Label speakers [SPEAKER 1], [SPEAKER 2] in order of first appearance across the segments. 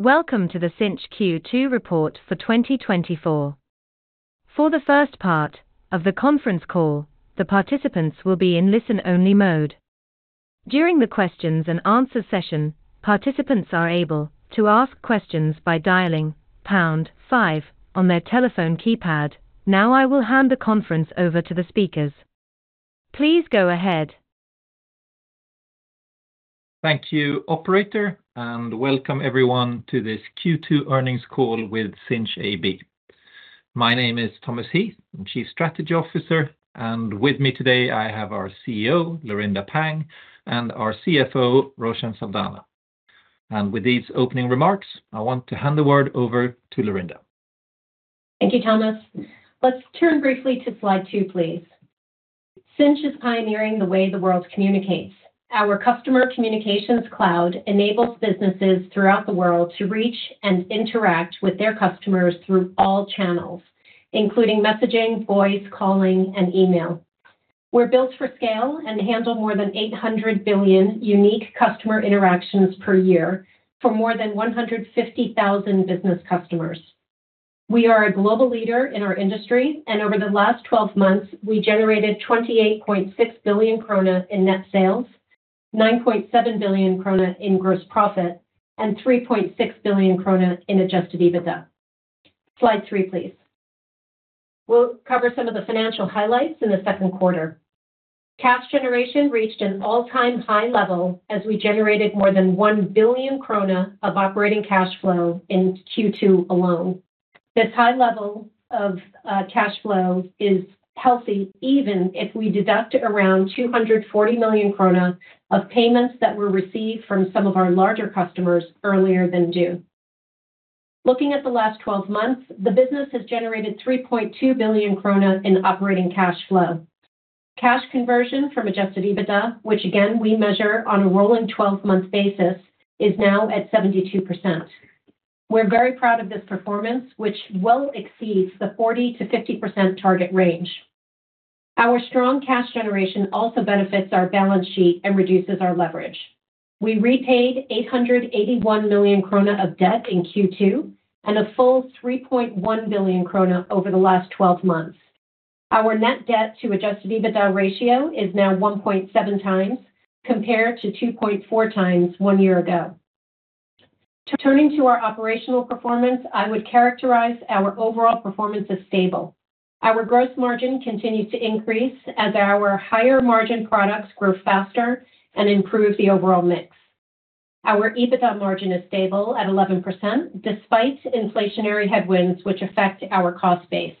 [SPEAKER 1] Welcome to the Sinch Q2 report for 2024. For the first part of the conference call, the participants will be in listen-only mode. During the questions and answer session, participants are able to ask questions by dialing pound five on their telephone keypad. Now I will hand the conference over to the speakers. Please go ahead.
[SPEAKER 2] Thank you, operator, and welcome everyone to this Q2 earnings call with Sinch AB. My name is Thomas Heath, I'm Chief Strategy Officer, and with me today, I have our CEO, Laurinda Pang, and our CFO, Roshan Saldanha. With these opening remarks, I want to hand the word over to Laurinda.
[SPEAKER 3] Thank you, Thomas. Let's turn briefly to slide 2, please. Sinch is pioneering the way the world communicates. Our Customer Communications Cloud enables businesses throughout the world to reach and interact with their customers through all channels, including messaging, voice calling, and email. We're built for scale and handle more than 800 billion unique customer interactions per year for more than 150,000 business customers. We are a global leader in our industry, and over the last twelve months, we generated 28.6 billion krona in net sales, 9.7 billion krona in gross profit, and 3.6 billion krona in adjusted EBITDA. Slide 3, please. We'll cover some of the financial highlights in the second quarter. Cash generation reached an all-time high level as we generated more than 1 billion krona of operating cash flow in Q2 alone. This high level of cash flow is healthy, even if we deduct around 240 million krona of payments that were received from some of our larger customers earlier than due. Looking at the last twelve months, the business has generated 3.2 billion krona in operating cash flow. Cash conversion from adjusted EBITDA, which again, we measure on a rolling twelve-month basis, is now at 72%. We're very proud of this performance, which well exceeds the 40% to 50% target range. Our strong cash generation also benefits our balance sheet and reduces our leverage. We repaid 881 million krona of debt in Q2, and a full 3.1 billion krona over the last twelve months. Our net debt to adjusted EBITDA ratio is now 1.7 times, compared to 2.4 times one year ago. Turning to our operational performance, I would characterize our overall performance as stable. Our gross margin continues to increase as our higher-margin products grow faster and improve the overall mix. Our EBITDA margin is stable at 11%, despite inflationary headwinds which affect our cost base.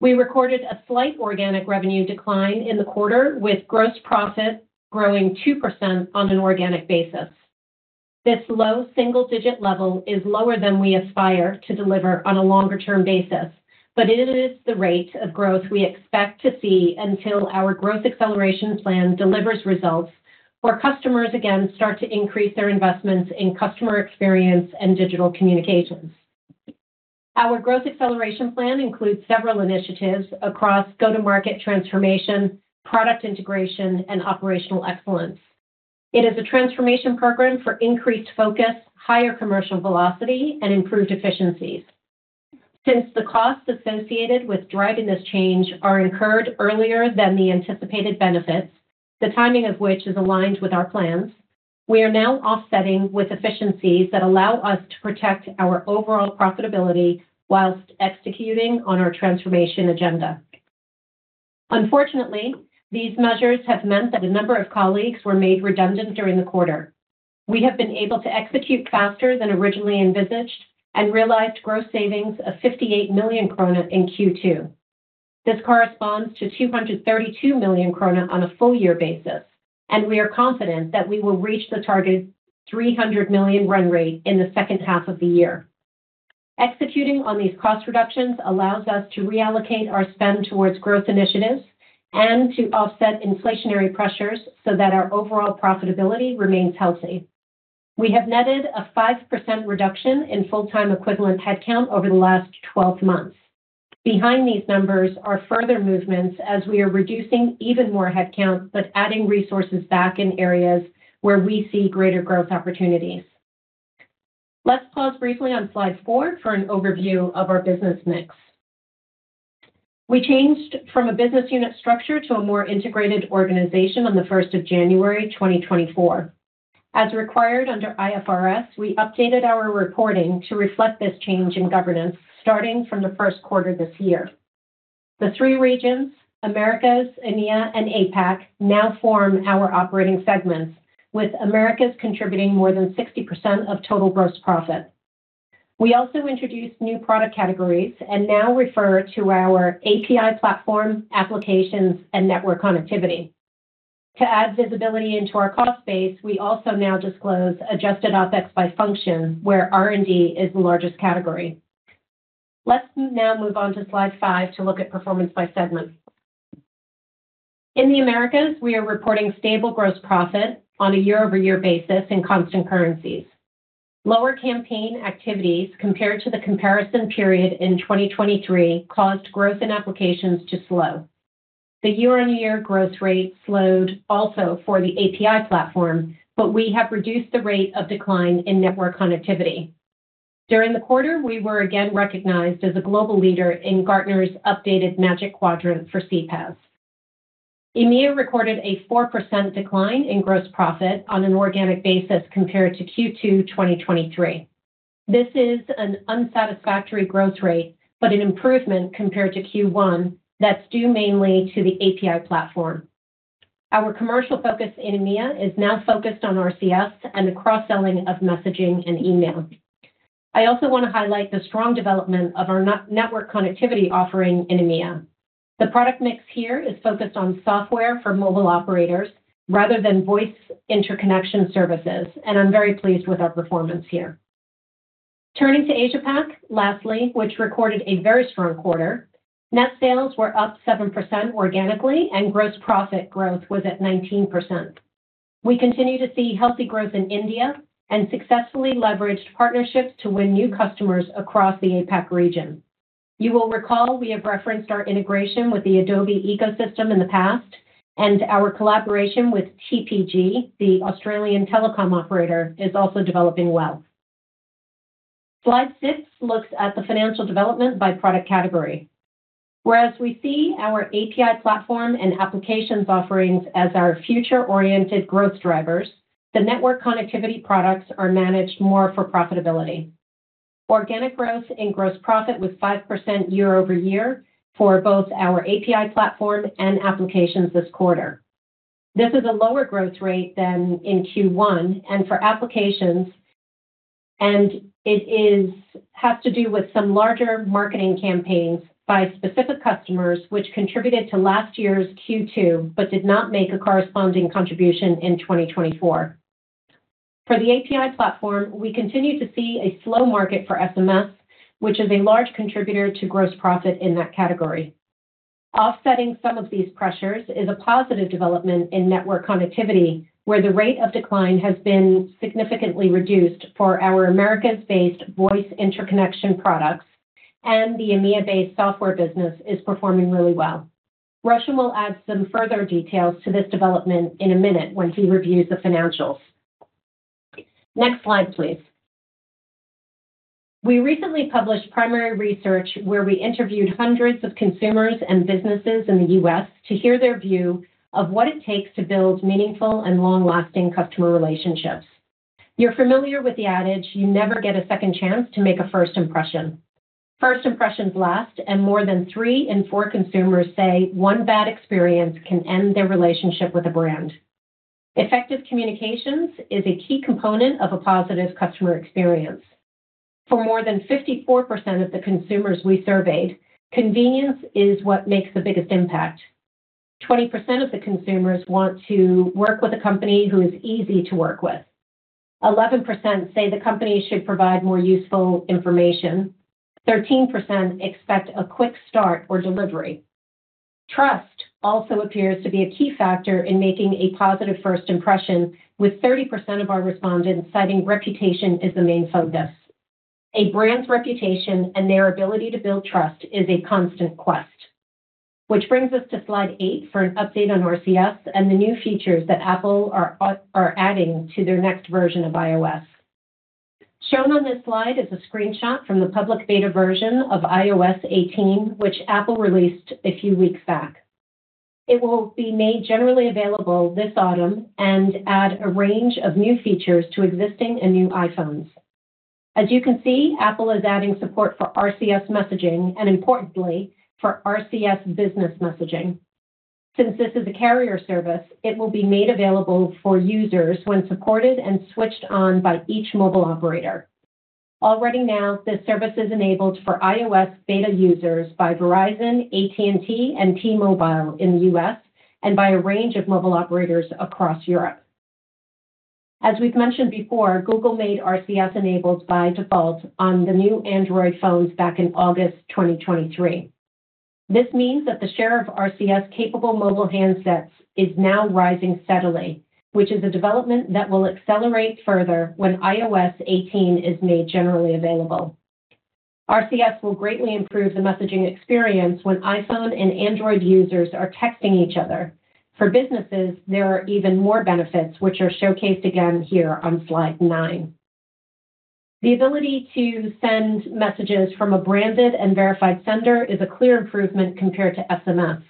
[SPEAKER 3] We recorded a slight organic revenue decline in the quarter, with gross profit growing 2% on an organic basis. This low single-digit level is lower than we aspire to deliver on a longer-term basis, but it is the rate of growth we expect to see until our growth acceleration plan delivers results, where customers again start to increase their investments in customer experience and digital communications. Our growth acceleration plan includes several initiatives across go-to-market transformation, product integration, and operational excellence. It is a transformation program for increased focus, higher commercial velocity, and improved efficiencies. Since the costs associated with driving this change are incurred earlier than the anticipated benefits, the timing of which is aligned with our plans, we are now offsetting with efficiencies that allow us to protect our overall profitability while executing on our transformation agenda. Unfortunately, these measures have meant that a number of colleagues were made redundant during the quarter. We have been able to execute faster than originally envisaged and realized gross savings of 58 million krona in Q2. This corresponds to 232 million krona on a full year basis, and we are confident that we will reach the target 300 million run rate in the second half of the year. Executing on these cost reductions allows us to reallocate our spend towards growth initiatives and to offset inflationary pressures so that our overall profitability remains healthy. We have netted a 5% reduction in full-time equivalent headcount over the last 12 months. Behind these numbers are further movements as we are reducing even more headcount, but adding resources back in areas where we see greater growth opportunities. Let's pause briefly on slide 4 for an overview of our business mix. We changed from a business unit structure to a more integrated organization on the first of January 2024. As required under IFRS, we updated our reporting to reflect this change in governance starting from the first quarter this year. The three regions, Americas, EMEA, and APAC, now form our operating segments, with Americas contributing more than 60% of total gross profit. We also introduced new product categories and now refer to our API platform, applications, and network connectivity. To add visibility into our cost base, we also now disclose adjusted OpEx by function, where R&D is the largest category. Let's now move on to slide 5 to look at performance by segment. In the Americas, we are reporting stable gross profit on a year-over-year basis in constant currencies. Lower campaign activities compared to the comparison period in 2023 caused growth in applications to slow.... The year-over-year growth rate slowed also for the API platform, but we have reduced the rate of decline in network connectivity. During the quarter, we were again recognized as a global leader in Gartner's updated Magic Quadrant for CPaaS. EMEA recorded a 4% decline in gross profit on an organic basis compared to Q2 2023. This is an unsatisfactory growth rate, but an improvement compared to Q1, that's due mainly to the API platform. Our commercial focus in EMEA is now focused on RCS and the cross-selling of messaging and email. I also want to highlight the strong development of our network connectivity offering in EMEA. The product mix here is focused on software for mobile operators rather than voice interconnection services, and I'm very pleased with our performance here. Turning to Asia Pac, lastly, which recorded a very strong quarter, net sales were up 7% organically, and gross profit growth was at 19%. We continue to see healthy growth in India and successfully leveraged partnerships to win new customers across the APAC region. You will recall we have referenced our integration with the Adobe ecosystem in the past, and our collaboration with TPG, the Australian telecom operator, is also developing well. Slide six looks at the financial development by product category, whereas we see our API platform and applications offerings as our future-oriented growth drivers, the network connectivity products are managed more for profitability. Organic growth and gross profit was 5% year-over-year for both our API platform and applications this quarter. This is a lower growth rate than in Q1 and for applications, and it has to do with some larger marketing campaigns by specific customers, which contributed to last year's Q2, but did not make a corresponding contribution in 2024. For the API platform, we continue to see a slow market for SMS, which is a large contributor to gross profit in that category. Offsetting some of these pressures is a positive development in network connectivity, where the rate of decline has been significantly reduced for our Americas-based voice interconnection products, and the EMEA-based software business is performing really well. Roshan will add some further details to this development in a minute when he reviews the financials. Next slide, please. We recently published primary research, where we interviewed hundreds of consumers and businesses in the U.S. to hear their view of what it takes to build meaningful and long-lasting customer relationships. You're familiar with the adage, "You never get a second chance to make a first impression." First impressions last, and more than three in four consumers say one bad experience can end their relationship with a brand. Effective communications is a key component of a positive customer experience. For more than 54% of the consumers we surveyed, convenience is what makes the biggest impact. 20% of the consumers want to work with a company who is easy to work with. 11% say the company should provide more useful information. 13% expect a quick start or delivery. Trust also appears to be a key factor in making a positive first impression, with 30% of our respondents citing reputation as the main focus. A brand's reputation and their ability to build trust is a constant quest, which brings us to slide 8 for an update on RCS and the new features that Apple are adding to their next version of iOS. Shown on this slide is a screenshot from the public beta version of iOS 18, which Apple released a few weeks back. It will be made generally available this autumn and add a range of new features to existing and new iPhones. As you can see, Apple is adding support for RCS messaging and importantly, for RCS business messaging. Since this is a carrier service, it will be made available for users when supported and switched on by each mobile operator. Already now, this service is enabled for iOS beta users by Verizon, AT&T, and T-Mobile in the US, and by a range of mobile operators across Europe. As we've mentioned before, Google made RCS enabled by default on the new Android phones back in August 2023. This means that the share of RCS-capable mobile handsets is now rising steadily, which is a development that will accelerate further when iOS 18 is made generally available. RCS will greatly improve the messaging experience when iPhone and Android users are texting each other. For businesses, there are even more benefits, which are showcased again here on slide 9. The ability to send messages from a branded and verified sender is a clear improvement compared to SMS.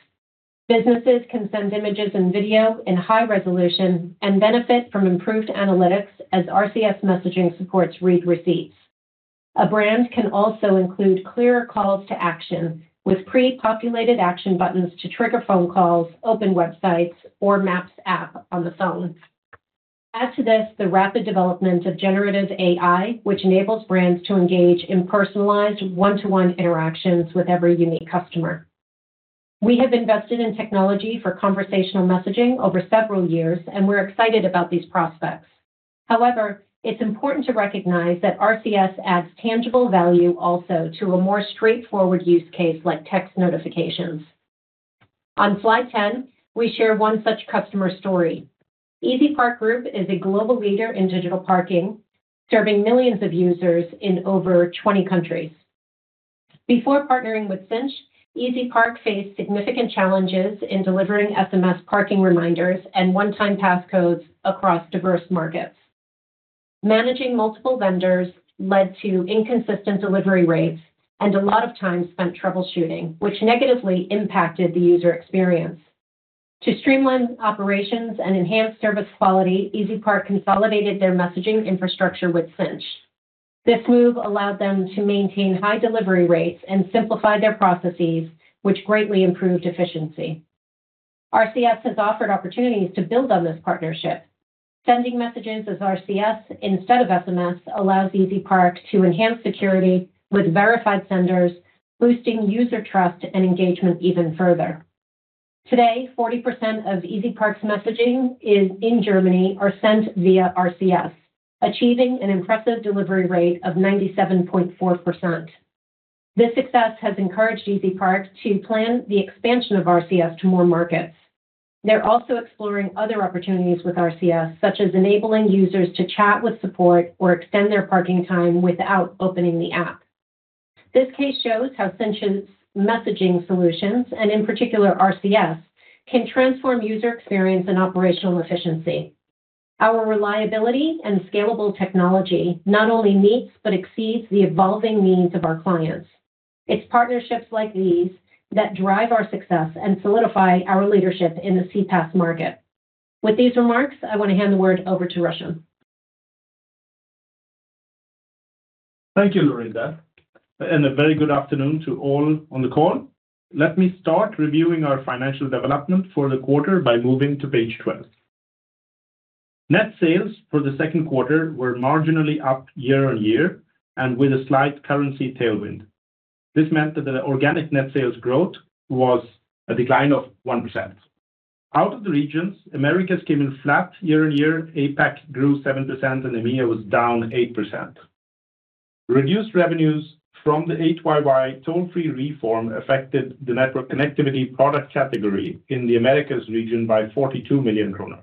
[SPEAKER 3] Businesses can send images and video in high resolution and benefit from improved analytics as RCS messaging supports read receipts. A brand can also include clearer calls to action, with pre-populated action buttons to trigger phone calls, open websites, or maps app on the phones. Add to this the rapid development of generative AI, which enables brands to engage in personalized one-to-one interactions with every unique customer. We have invested in technology for conversational messaging over several years, and we're excited about these prospects. However, it's important to recognize that RCS adds tangible value also to a more straightforward use case, like text notifications. On slide 10, we share one such customer story.... EasyPark Group is a global leader in digital parking, serving millions of users in over 20 countries. Before partnering with Sinch, EasyPark faced significant challenges in delivering SMS parking reminders and one-time pass codes across diverse markets. Managing multiple vendors led to inconsistent delivery rates and a lot of time spent troubleshooting, which negatively impacted the user experience. To streamline operations and enhance service quality, EasyPark consolidated their messaging infrastructure with Sinch. This move allowed them to maintain high delivery rates and simplify their processes, which greatly improved efficiency. RCS has offered opportunities to build on this partnership. Sending messages as RCS instead of SMS allows EasyPark to enhance security with verified senders, boosting user trust and engagement even further. Today, 40% of EasyPark's messaging in Germany are sent via RCS, achieving an impressive delivery rate of 97.4%. This success has encouraged EasyPark to plan the expansion of RCS to more markets. They're also exploring other opportunities with RCS, such as enabling users to chat with support or extend their parking time without opening the app. This case shows how Sinch's messaging solutions, and in particular RCS, can transform user experience and operational efficiency. Our reliability and scalable technology not only meets but exceeds the evolving needs of our clients. It's partnerships like these that drive our success and solidify our leadership in the CPaaS market. With these remarks, I want to hand the word over to Roshan.
[SPEAKER 4] Thank you, Lorinda, and a very good afternoon to all on the call. Let me start reviewing our financial development for the quarter by moving to page 12. Net sales for the second quarter were marginally up year-on-year, and with a slight currency tailwind. This meant that the organic net sales growth was a decline of 1%. Out of the regions, Americas came in flat year-on-year, APAC grew 7%, and EMEA was down 8%. Reduced revenues from the 8YY toll-free reform affected the network connectivity product category in the Americas region by 42 million kronor.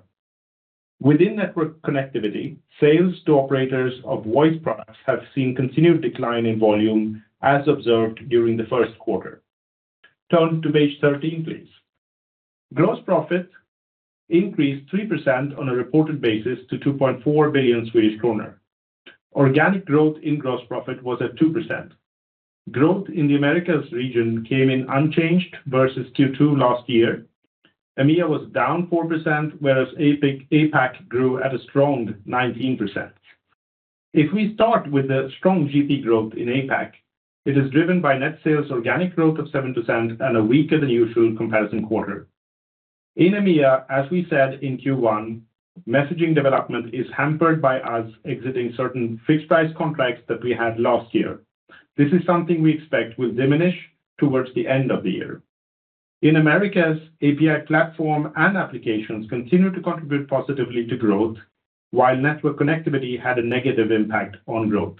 [SPEAKER 4] Within network connectivity, sales to operators of voice products have seen continued decline in volume as observed during the first quarter. Turn to page 13, please. Gross profit increased 3% on a reported basis to 2.4 billion Swedish kronor. Organic growth in gross profit was at 2%. Growth in the Americas region came in unchanged versus Q2 last year. EMEA was down 4%, whereas APAC grew at a strong 19%. If we start with the strong GP growth in APAC, it is driven by net sales organic growth of 7% and a weaker than usual comparison quarter. In EMEA, as we said in Q1, messaging development is hampered by us exiting certain fixed price contracts that we had last year. This is something we expect will diminish towards the end of the year. In Americas, API platform and applications continue to contribute positively to growth, while network connectivity had a negative impact on growth.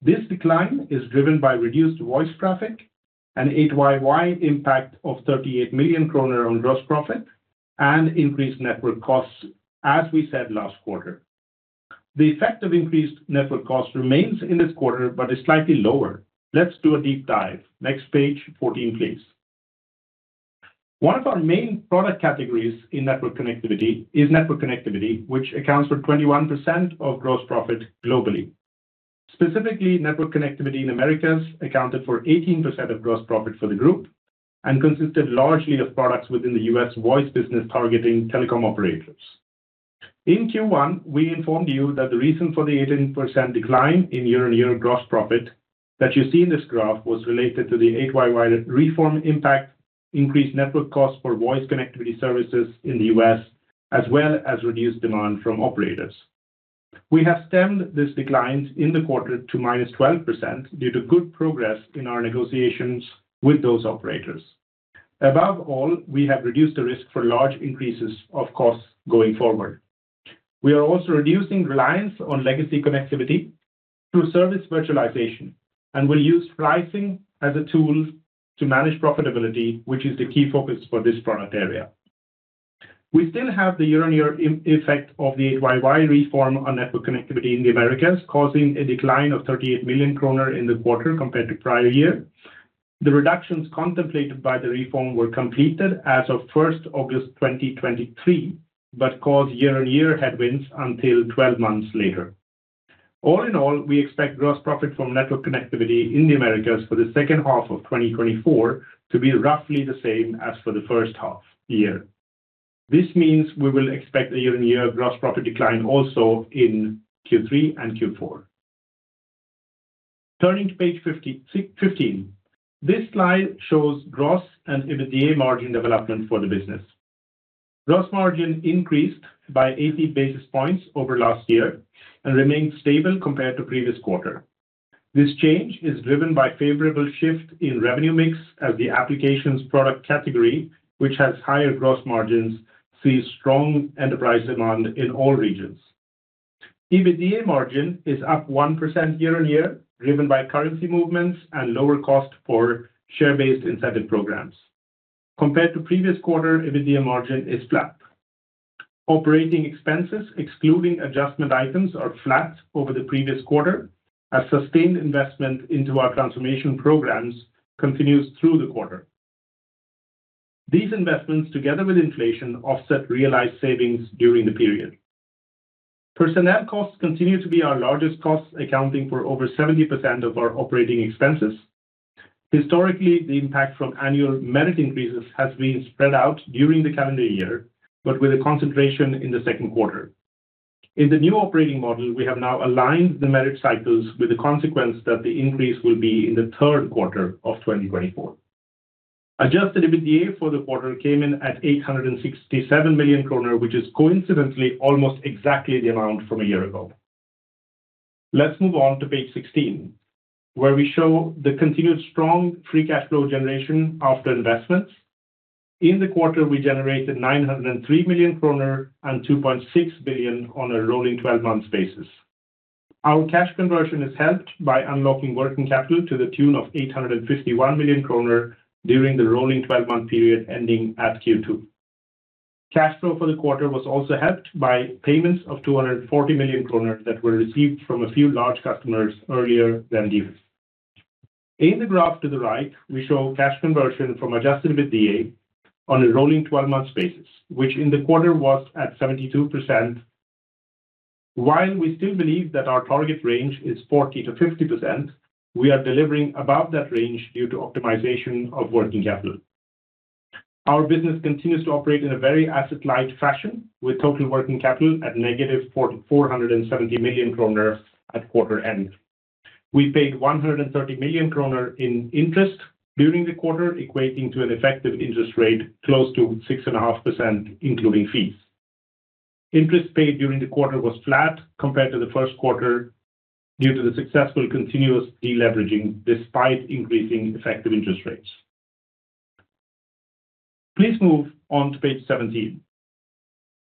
[SPEAKER 4] This decline is driven by reduced voice traffic, an 8YY impact of 38 million kronor on gross profit, and increased network costs, as we said last quarter. The effect of increased network cost remains in this quarter, but is slightly lower. Let's do a deep dive. Next page 14, please. One of our main product categories in network connectivity is network connectivity, which accounts for 21% of gross profit globally. Specifically, network connectivity in Americas accounted for 18% of gross profit for the group and consisted largely of products within the US voice business targeting telecom operators. In Q1, we informed you that the reason for the 18% decline in year-on-year gross profit that you see in this graph was related to the 8YY reform impact, increased network costs for voice connectivity services in the US, as well as reduced demand from operators. We have stemmed this decline in the quarter to -12% due to good progress in our negotiations with those operators. Above all, we have reduced the risk for large increases of costs going forward. We are also reducing reliance on legacy connectivity through service virtualization, and will use pricing as a tool to manage profitability, which is the key focus for this product area. We still have the year-on-year impact of the 8YY reform on network connectivity in the Americas, causing a decline of 38 million kronor in the quarter compared to prior year. The reductions contemplated by the reform were completed as of August 1, 2023, but cause year-on-year headwinds until 12 months later. All in all, we expect gross profit from network connectivity in the Americas for the second half of 2024 to be roughly the same as for the first half year. This means we will expect a year-on-year gross profit decline also in Q3 and Q4. Turning to page 51. This slide shows gross and EBITDA margin development for the business. Gross margin increased by 80 basis points over last year and remained stable compared to previous quarter. This change is driven by favorable shift in revenue mix as the applications product category, which has higher gross margins, sees strong enterprise demand in all regions. EBITDA margin is up 1% year-on-year, driven by currency movements and lower cost for share-based incentive programs. Compared to previous quarter, EBITDA margin is flat. Operating expenses, excluding adjustment items, are flat over the previous quarter, as sustained investment into our transformation programs continues through the quarter. These investments, together with inflation, offset realized savings during the period. Personnel costs continue to be our largest cost, accounting for over 70% of our operating expenses. Historically, the impact from annual merit increases has been spread out during the calendar year, but with a concentration in the second quarter. In the new operating model, we have now aligned the merit cycles with the consequence that the increase will be in the third quarter of 2024. Adjusted EBITDA for the quarter came in at 867 million kronor, which is coincidentally almost exactly the amount from a year ago. Let's move on to page 16, where we show the continued strong free cash flow generation after investments. In the quarter, we generated 903 million kronor and 2.6 billion on a rolling twelve-month basis. Our cash conversion is helped by unlocking working capital to the tune of 851 million kronor during the rolling twelve-month period ending at Q2. Cash flow for the quarter was also helped by payments of 240 million kronor that were received from a few large customers earlier than due. In the graph to the right, we show cash conversion from adjusted EBITDA on a rolling twelve-month basis, which in the quarter was at 72%. While we still believe that our target range is 40% to 50%, we are delivering above that range due to optimization of working capital. Our business continues to operate in a very asset-light fashion, with total working capital at negative 470 million kronor at quarter end. We paid 130 million kronor in interest during the quarter, equating to an effective interest rate close to 6.5%, including fees. Interest paid during the quarter was flat compared to the first quarter, due to the successful continuous deleveraging, despite increasing effective interest rates. Please move on to page 17.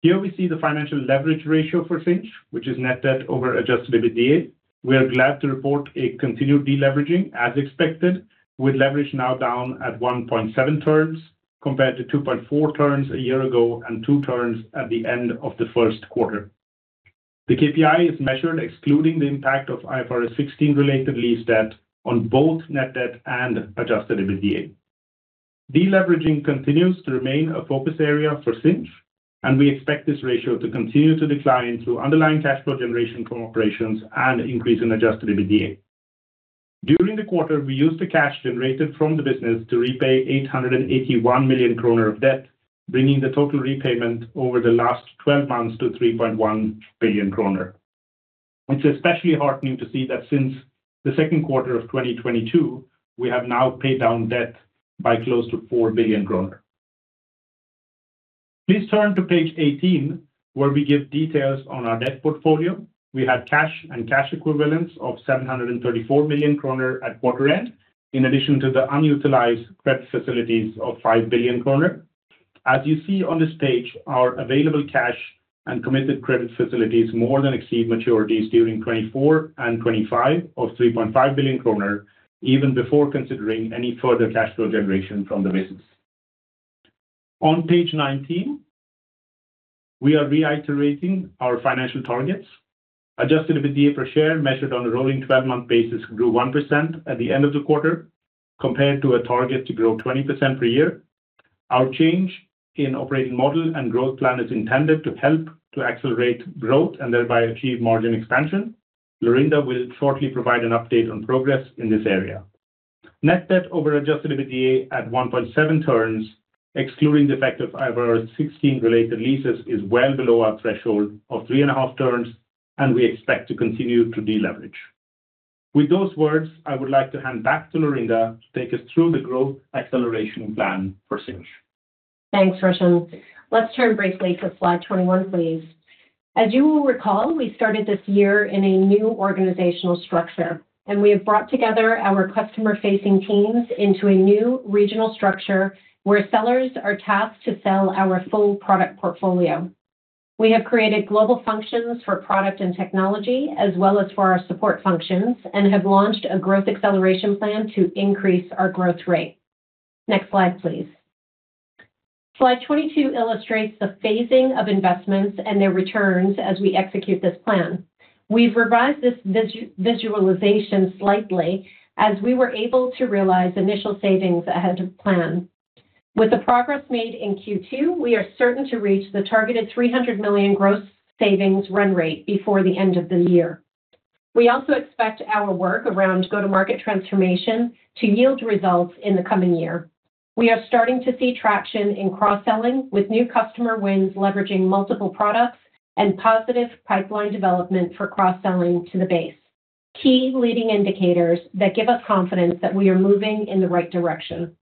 [SPEAKER 4] Here we see the financial leverage ratio for Sinch, which is net debt over adjusted EBITDA. We are glad to report a continued deleveraging, as expected, with leverage now down at 1.7 turns, compared to 2.4 turns a year ago and 2 turns at the end of the first quarter. The KPI is measured excluding the impact of IFRS 16 related lease debt on both net debt and adjusted EBITDA. Deleveraging continues to remain a focus area for Sinch, and we expect this ratio to continue to decline through underlying cash flow generation from operations and increase in adjusted EBITDA. During the quarter, we used the cash generated from the business to repay 881 million kronor of debt, bringing the total repayment over the last twelve months to 3.1 billion kronor. It's especially heartening to see that since the second quarter of 2022, we have now paid down debt by close to 4 billion kronor. Please turn to page 18, where we give details on our debt portfolio. We had cash and cash equivalents of 734 million kronor at quarter end, in addition to the unutilized credit facilities of 5 billion kronor. As you see on this page, our available cash and committed credit facilities more than exceed maturities during 2024 and 2025 of 3.5 billion kronor, even before considering any further cash flow generation from the business. On page 19, we are reiterating our financial targets. Adjusted EBITDA per share, measured on a rolling 12-month basis, grew 1% at the end of the quarter, compared to a target to grow 20% per year. Our change in operating model and growth plan is intended to help to accelerate growth and thereby achieve margin expansion. Lorinda will shortly provide an update on progress in this area. Net debt over adjusted EBITDA at 1.7 turns, excluding the effect of IFRS 16-related leases, is well below our threshold of 3.5 turns, and we expect to continue to deleverage. With those words, I would like to hand back to Lorinda to take us through the growth acceleration plan for Sinch.
[SPEAKER 3] Thanks, Roshan. Let's turn briefly to slide 21, please. As you will recall, we started this year in a new organizational structure, and we have brought together our customer-facing teams into a new regional structure, where sellers are tasked to sell our full product portfolio. We have created global functions for product and technology, as well as for our support functions, and have launched a growth acceleration plan to increase our growth rate. Next slide, please. Slide 22 illustrates the phasing of investments and their returns as we execute this plan. We've revised this visualization slightly, as we were able to realize initial savings ahead of plan. With the progress made in Q2, we are certain to reach the targeted 300 million gross savings run rate before the end of the year. We also expect our work around go-to-market transformation to yield results in the coming year. We are starting to see traction in cross-selling, with new customer wins leveraging multiple products and positive pipeline development for cross-selling to the base. Key leading indicators that give us confidence that we are moving in the right direction.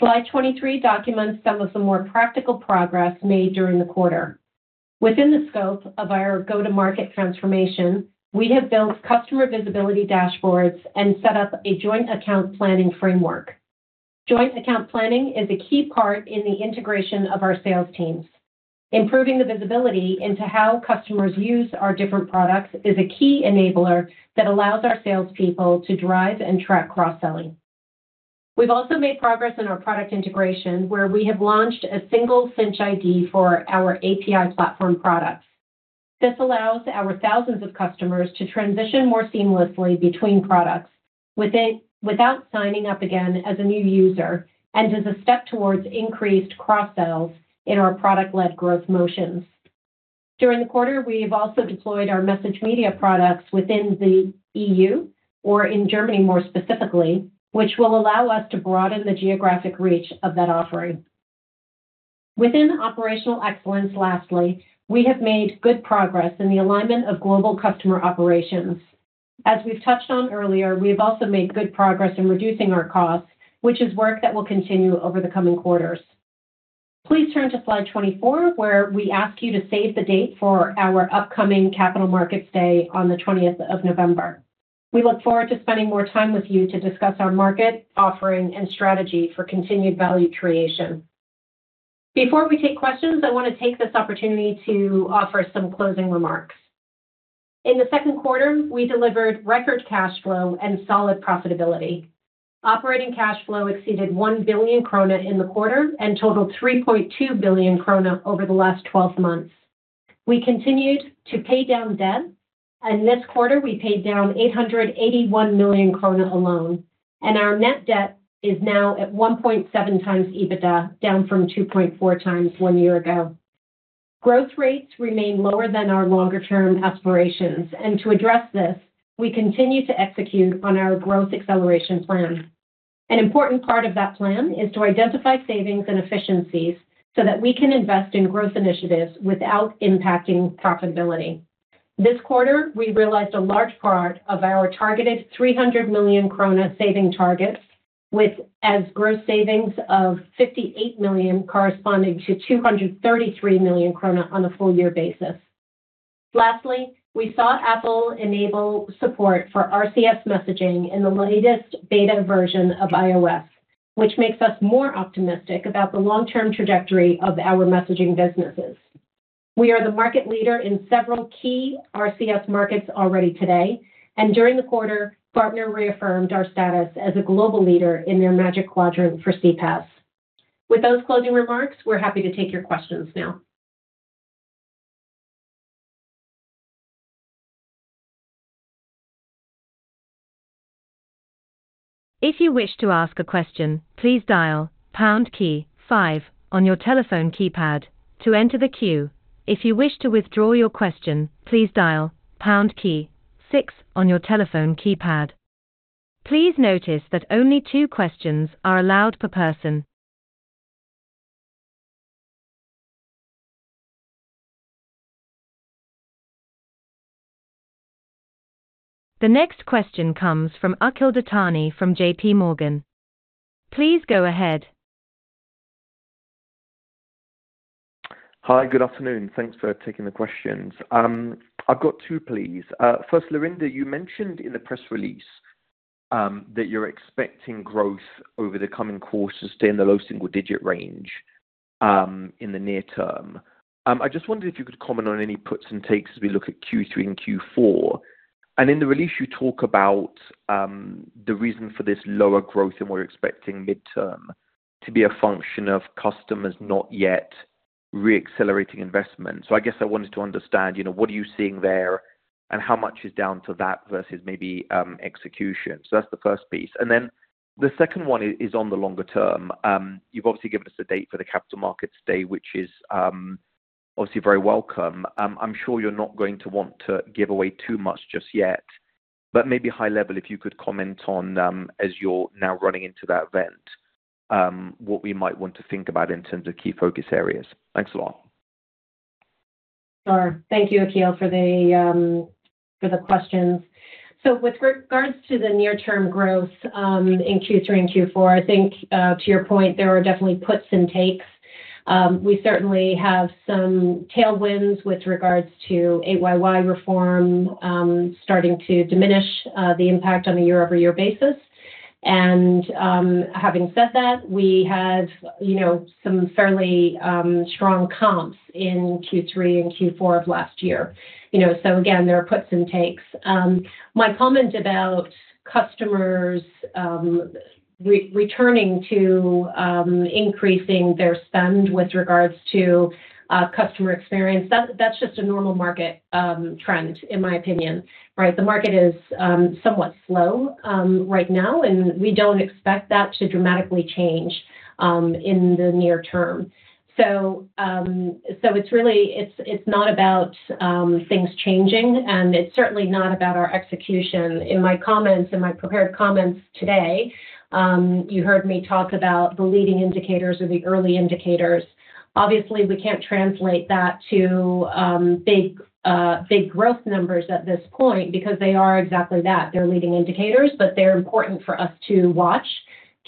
[SPEAKER 3] Slide 23 documents some of the more practical progress made during the quarter. Within the scope of our go-to-market transformation, we have built customer visibility dashboards and set up a joint account planning framework. Joint account planning is a key part in the integration of our sales teams. Improving the visibility into how customers use our different products is a key enabler that allows our salespeople to drive and track cross-selling. We've also made progress in our product integration, where we have launched a single Sinch ID for our API platform products. This allows our thousands of customers to transition more seamlessly between products, without signing up again as a new user, and is a step towards increased cross-sells in our product-led growth motions. During the quarter, we have also deployed our MessageMedia products within the EU, or in Germany, more specifically, which will allow us to broaden the geographic reach of that offering. Within operational excellence, lastly, we have made good progress in the alignment of global customer operations. As we've touched on earlier, we have also made good progress in reducing our costs, which is work that will continue over the coming quarters. Please turn to slide 24, where we ask you to save the date for our upcoming Capital Markets Day on the twentieth of November. We look forward to spending more time with you to discuss our market, offering, and strategy for continued value creation. Before we take questions, I want to take this opportunity to offer some closing remarks. In the second quarter, we delivered record cash flow and solid profitability. Operating cash flow exceeded 1 billion krona in the quarter and totaled 3.2 billion krona over the last twelve months. We continued to pay down debt, and this quarter we paid down 881 million krona alone, and our net debt is now at 1.7 times EBITDA, down from 2.4 times one year ago. Growth rates remain lower than our longer-term aspirations, and to address this, we continue to execute on our growth acceleration plan. An important part of that plan is to identify savings and efficiencies so that we can invest in growth initiatives without impacting profitability. This quarter, we realized a large part of our targeted 300 million krona saving target, with gross savings of 58 million, corresponding to 233 million krona on a full year basis. Lastly, we saw Apple enable support for RCS messaging in the latest beta version of iOS, which makes us more optimistic about the long-term trajectory of our messaging businesses. We are the market leader in several key RCS markets already today, and during the quarter, Gartner reaffirmed our status as a global leader in their Magic Quadrant for CPaaS. With those closing remarks, we're happy to take your questions now.
[SPEAKER 1] If you wish to ask a question, please dial pound key five on your telephone keypad to enter the queue. If you wish to withdraw your question, please dial pound key six on your telephone keypad. Please notice that only two questions are allowed per person. The next question comes from Akhil Dattani from J.P. Morgan. Please go ahead.
[SPEAKER 5] Hi, good afternoon. Thanks for taking the questions. I've got two, please. First, Lorinda, you mentioned in the press release that you're expecting growth over the coming quarters to stay in the low single-digit range in the near term. I just wondered if you could comment on any puts and takes as we look at Q3 and Q4. In the release, you talk about the reason for this lower growth, and we're expecting midterm to be a function of customers not yet re-accelerating investment. So I guess I wanted to understand, you know, what are you seeing there, and how much is down to that versus maybe execution? So that's the first piece, and then the second one is on the longer term. You've obviously given us a date for the capital markets day, which is obviously very welcome. I'm sure you're not going to want to give away too much just yet, but maybe high level, if you could comment on, as you're now running into that event, what we might want to think about in terms of key focus areas. Thanks a lot.
[SPEAKER 3] Sure. Thank you, Akhil, for the questions. So with regards to the near term growth, in Q3 and Q4, I think, to your point, there are definitely puts and takes. We certainly have some tailwinds with regards to 8YY reform, starting to diminish, the impact on a year-over-year basis. And, having said that, we have, you know, some fairly, strong comps in Q3 and Q4 of last year. You know, so again, there are puts and takes. My comment about customers, returning to, increasing their spend with regards to, customer experience, that's just a normal market, trend in my opinion, right? The market is, somewhat slow, right now, and we don't expect that to dramatically change, in the near term. So it's really not about things changing, and it's certainly not about our execution. In my comments, in my prepared comments today, you heard me talk about the leading indicators or the early indicators. Obviously, we can't translate that to big growth numbers at this point because they are exactly that, they're leading indicators, but they're important for us to watch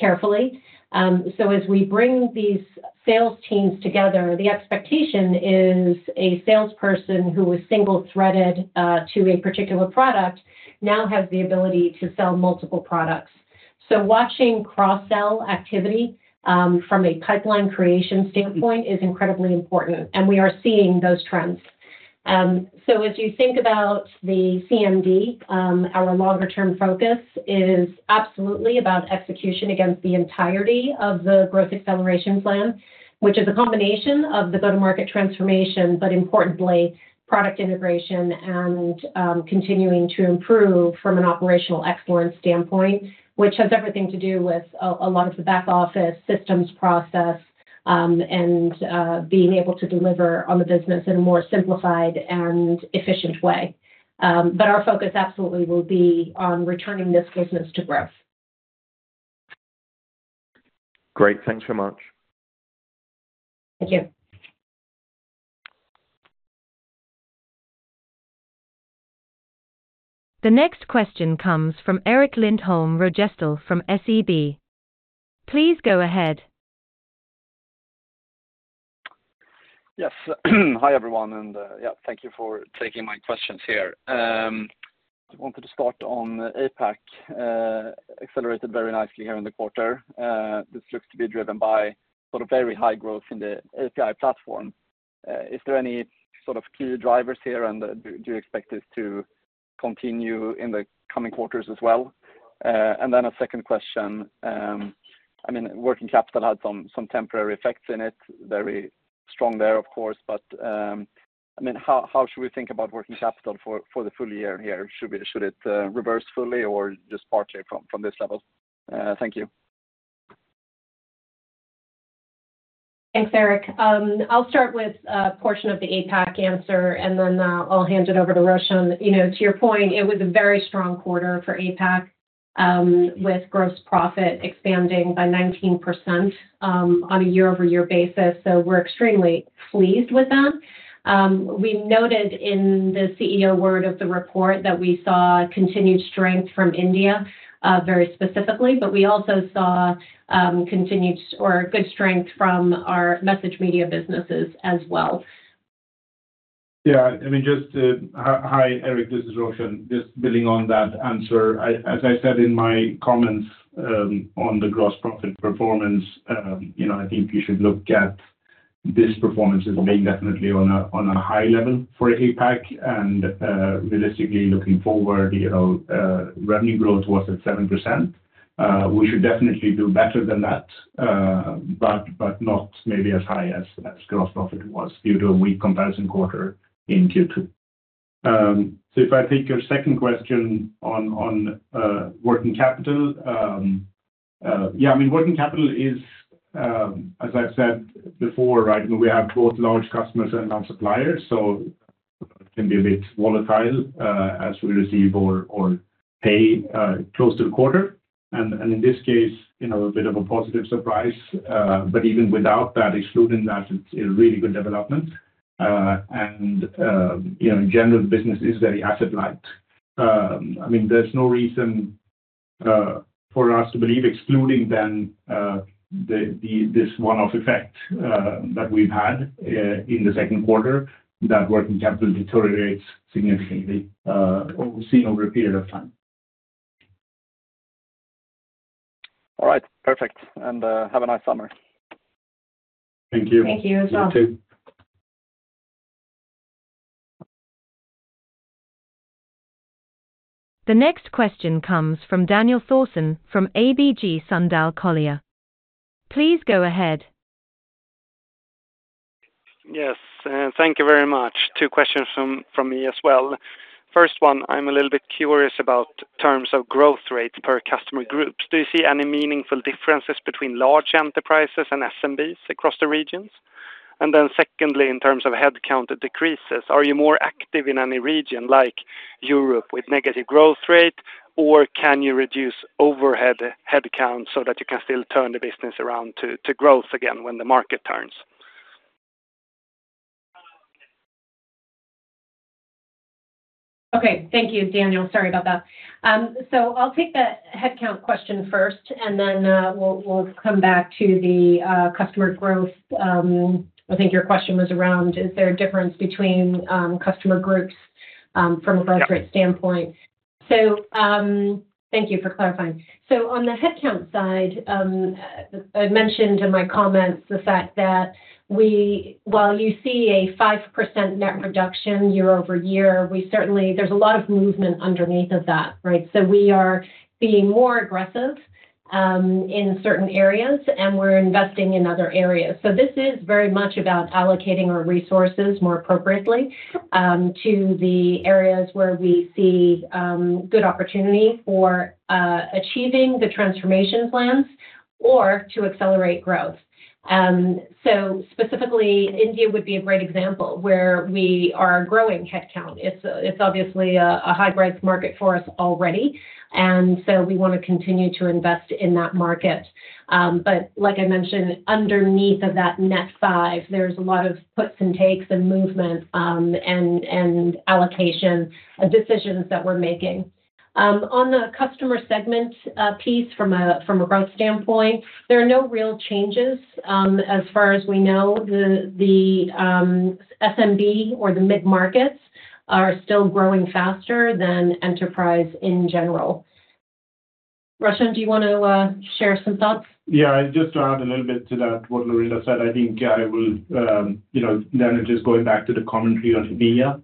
[SPEAKER 3] carefully. So as we bring these sales teams together, the expectation is a salesperson who was single-threaded to a particular product now has the ability to sell multiple products. So watching cross-sell activity from a pipeline creation standpoint is incredibly important, and we are seeing those trends. So as you think about the CMD, our longer-term focus is absolutely about execution against the entirety of the growth acceleration plan, which is a combination of the go-to-market transformation, but importantly, product integration and continuing to improve from an operational excellence standpoint. Which has everything to do with a lot of the back-office systems process and being able to deliver on the business in a more simplified and efficient way. But our focus absolutely will be on returning this business to growth.
[SPEAKER 5] Great. Thanks so much.
[SPEAKER 3] Thank you.
[SPEAKER 1] The next question comes from Erik Lindholm-Röjestål from SEB. Please go ahead.
[SPEAKER 6] Yes. Hi, everyone, and, yeah, thank you for taking my questions here. I wanted to start on APAC, accelerated very nicely here in the quarter. This looks to be driven by sort of very high growth in the API platform. Is there any sort of key drivers here, and, do, do you expect this to continue in the coming quarters as well? And then a second question, I mean, working capital had some, some temporary effects in it. Very strong there, of course, but, I mean, how, how should we think about working capital for, for the full year here? Should we- should it, reverse fully or just partially from, from this level? Thank you.
[SPEAKER 3] Thanks, Eric. I'll start with a portion of the APAC answer, and then, I'll hand it over to Roshan. You know, to your point, it was a very strong quarter for APAC, with gross profit expanding by 19%, on a year-over-year basis, so we're extremely pleased with that. We noted in the CEO word of the report that we saw continued strength from India, very specifically, but we also saw, continued or good strength from our MessageMedia businesses as well.
[SPEAKER 4] Yeah, I mean, just to... Hi, Eric, this is Roshan. Just building on that answer. As I said in my comments, on the gross profit performance, you know, I think you should look at this performance as being definitely on a, on a high level for APAC. And, realistically, looking forward, you know, revenue growth was at 7%. We should definitely do better than that, but, but not maybe as high as, as gross profit was due to a weak comparison quarter in Q2. So if I take your second question on, on, working capital, yeah, I mean, working capital is, as I've said before, right, we have both large customers and non-suppliers, so can be a bit volatile, as we receive or, or pay, close to the quarter. In this case, you know, a bit of a positive surprise, but even without that, excluding that, it's a really good development. You know, in general, the business is very asset light. I mean, there's no reason for us to believe, excluding then, this one-off effect that we've had in the second quarter, that working capital deteriorates significantly, or seen over a period of time.
[SPEAKER 6] All right. Perfect. And, have a nice summer.
[SPEAKER 4] Thank you.
[SPEAKER 3] Thank you as well.
[SPEAKER 4] You too.
[SPEAKER 1] The next question comes from Daniel Thorsson, from ABG Sundal Collier. Please go ahead.
[SPEAKER 7] Yes, thank you very much. Two questions from me as well. First one, I'm a little bit curious about terms of growth rates per customer groups. Do you see any meaningful differences between large enterprises and SMBs across the regions? And then secondly, in terms of headcount decreases, are you more active in any region, like Europe, with negative growth rate, or can you reduce overhead headcount so that you can still turn the business around to growth again when the market turns?
[SPEAKER 3] Okay. Thank you, Daniel. Sorry about that. So I'll take the headcount question first, and then we'll come back to the customer growth. I think your question was around: is there a difference between customer groups from a growth rate standpoint?
[SPEAKER 7] Yeah.
[SPEAKER 3] So, thank you for clarifying. So on the headcount side, I mentioned in my comments the fact that we... While you see a 5% net reduction year-over-year, we certainly—there's a lot of movement underneath of that, right? So we are being more aggressive in certain areas, and we're investing in other areas. So this is very much about allocating our resources more appropriately to the areas where we see good opportunity for achieving the transformation plans or to accelerate growth. So specifically, India would be a great example, where we are growing headcount. It's, it's obviously a high-growth market for us already, and so we want to continue to invest in that market. But like I mentioned, underneath of that net 5, there's a lot of puts and takes, and movements, and allocation and decisions that we're making. On the customer segment piece from a growth standpoint, there are no real changes. As far as we know, the SMB or the mid-markets are still growing faster than enterprise in general. Roshan, do you want to share some thoughts?
[SPEAKER 4] Yeah, just to add a little bit to that, what Lorinda said, I think I will, you know, then it just going back to the commentary on Via,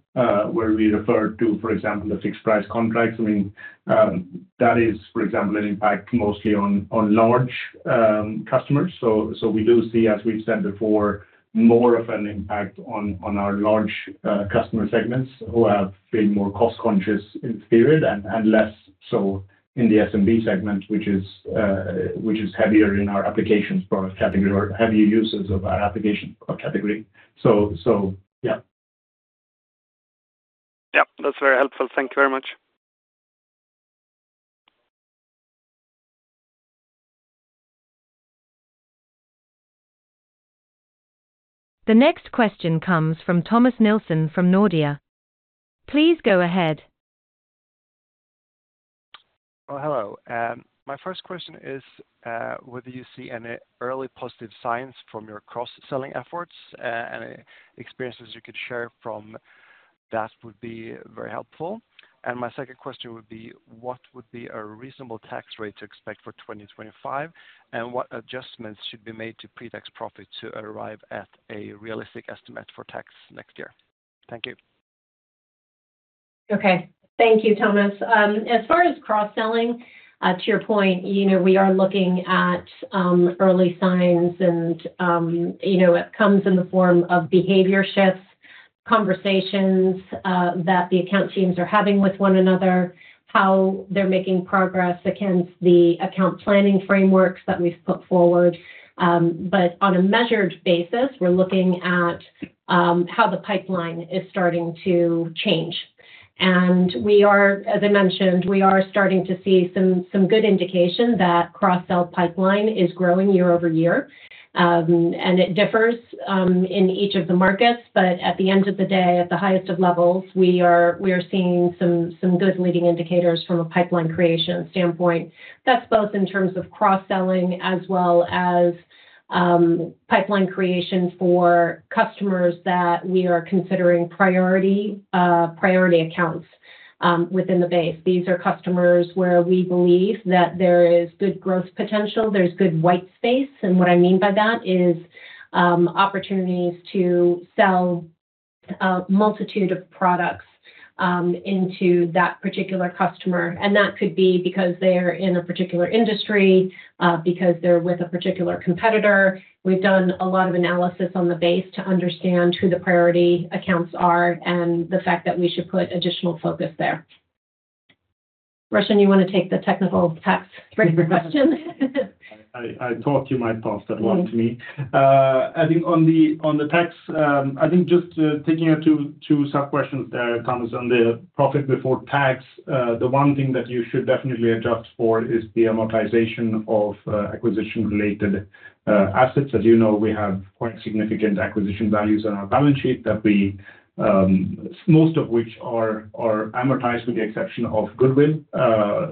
[SPEAKER 4] where we referred to, for example, the fixed price contracts. I mean, that is, for example, an impact mostly on, on large, customers. So, so we do see, as we've said before, more of an impact on, on our large, customer segments who have been more cost-conscious in period and, and less so in the SMB segment, which is, which is heavier in our applications product category or heavy users of our application category. So, so yeah.
[SPEAKER 1] Yep, that's very helpful. Thank you very much. The next question comes from Thomas Nielsen from Nordea. Please go ahead.
[SPEAKER 8] Well, hello. My first question is whether you see any early positive signs from your cross-selling efforts, any experiences you could share from that would be very helpful. My second question would be: What would be a reasonable tax rate to expect for 2025? And what adjustments should be made to pre-tax profit to arrive at a realistic estimate for tax next year? Thank you.
[SPEAKER 3] Okay. Thank you, Thomas. As far as cross-selling, to your point, you know, we are looking at early signs and, you know, it comes in the form of behavior shifts, conversations that the account teams are having with one another, how they're making progress against the account planning frameworks that we've put forward. But on a measured basis, we're looking at how the pipeline is starting to change. And we are, as I mentioned, we are starting to see some, some good indication that cross-sell pipeline is growing year over year. And it differs in each of the markets, but at the end of the day, at the highest of levels, we are, we are seeing some, some good leading indicators from a pipeline creation standpoint. That's both in terms of cross-selling as well as, pipeline creation for customers that we are considering priority, priority accounts, within the base. These are customers where we believe that there is good growth potential, there's good white space, and what I mean by that is, opportunities to sell a multitude of products, into that particular customer. And that could be because they're in a particular industry, because they're with a particular competitor. We've done a lot of analysis on the base to understand who the priority accounts are and the fact that we should put additional focus there. Roshan, you want to take the technical tax rate question?
[SPEAKER 4] I thought you might pass that one to me. I think on the tax, I think just taking your two sub-questions there, Thomas, on the profit before tax, the one thing that you should definitely adjust for is the amortization of acquisition-related assets. As you know, we have quite significant acquisition values on our balance sheet that we, most of which are amortized, with the exception of goodwill,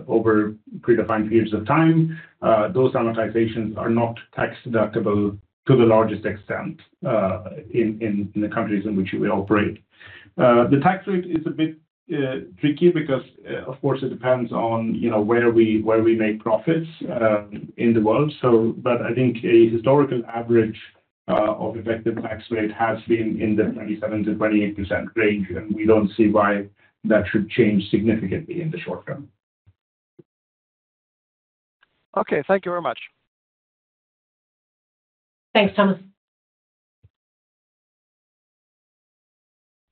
[SPEAKER 4] over predefined periods of time. Those amortizations are not tax-deductible to the largest extent in the countries in which we operate. The tax rate is a bit tricky because, of course, it depends on, you know, where we make profits in the world. I think a historical average of effective tax rate has been in the 27% to 28% range, and we don't see why that should change significantly in the short term.
[SPEAKER 8] Okay. Thank you very much.
[SPEAKER 3] Thanks, Thomas.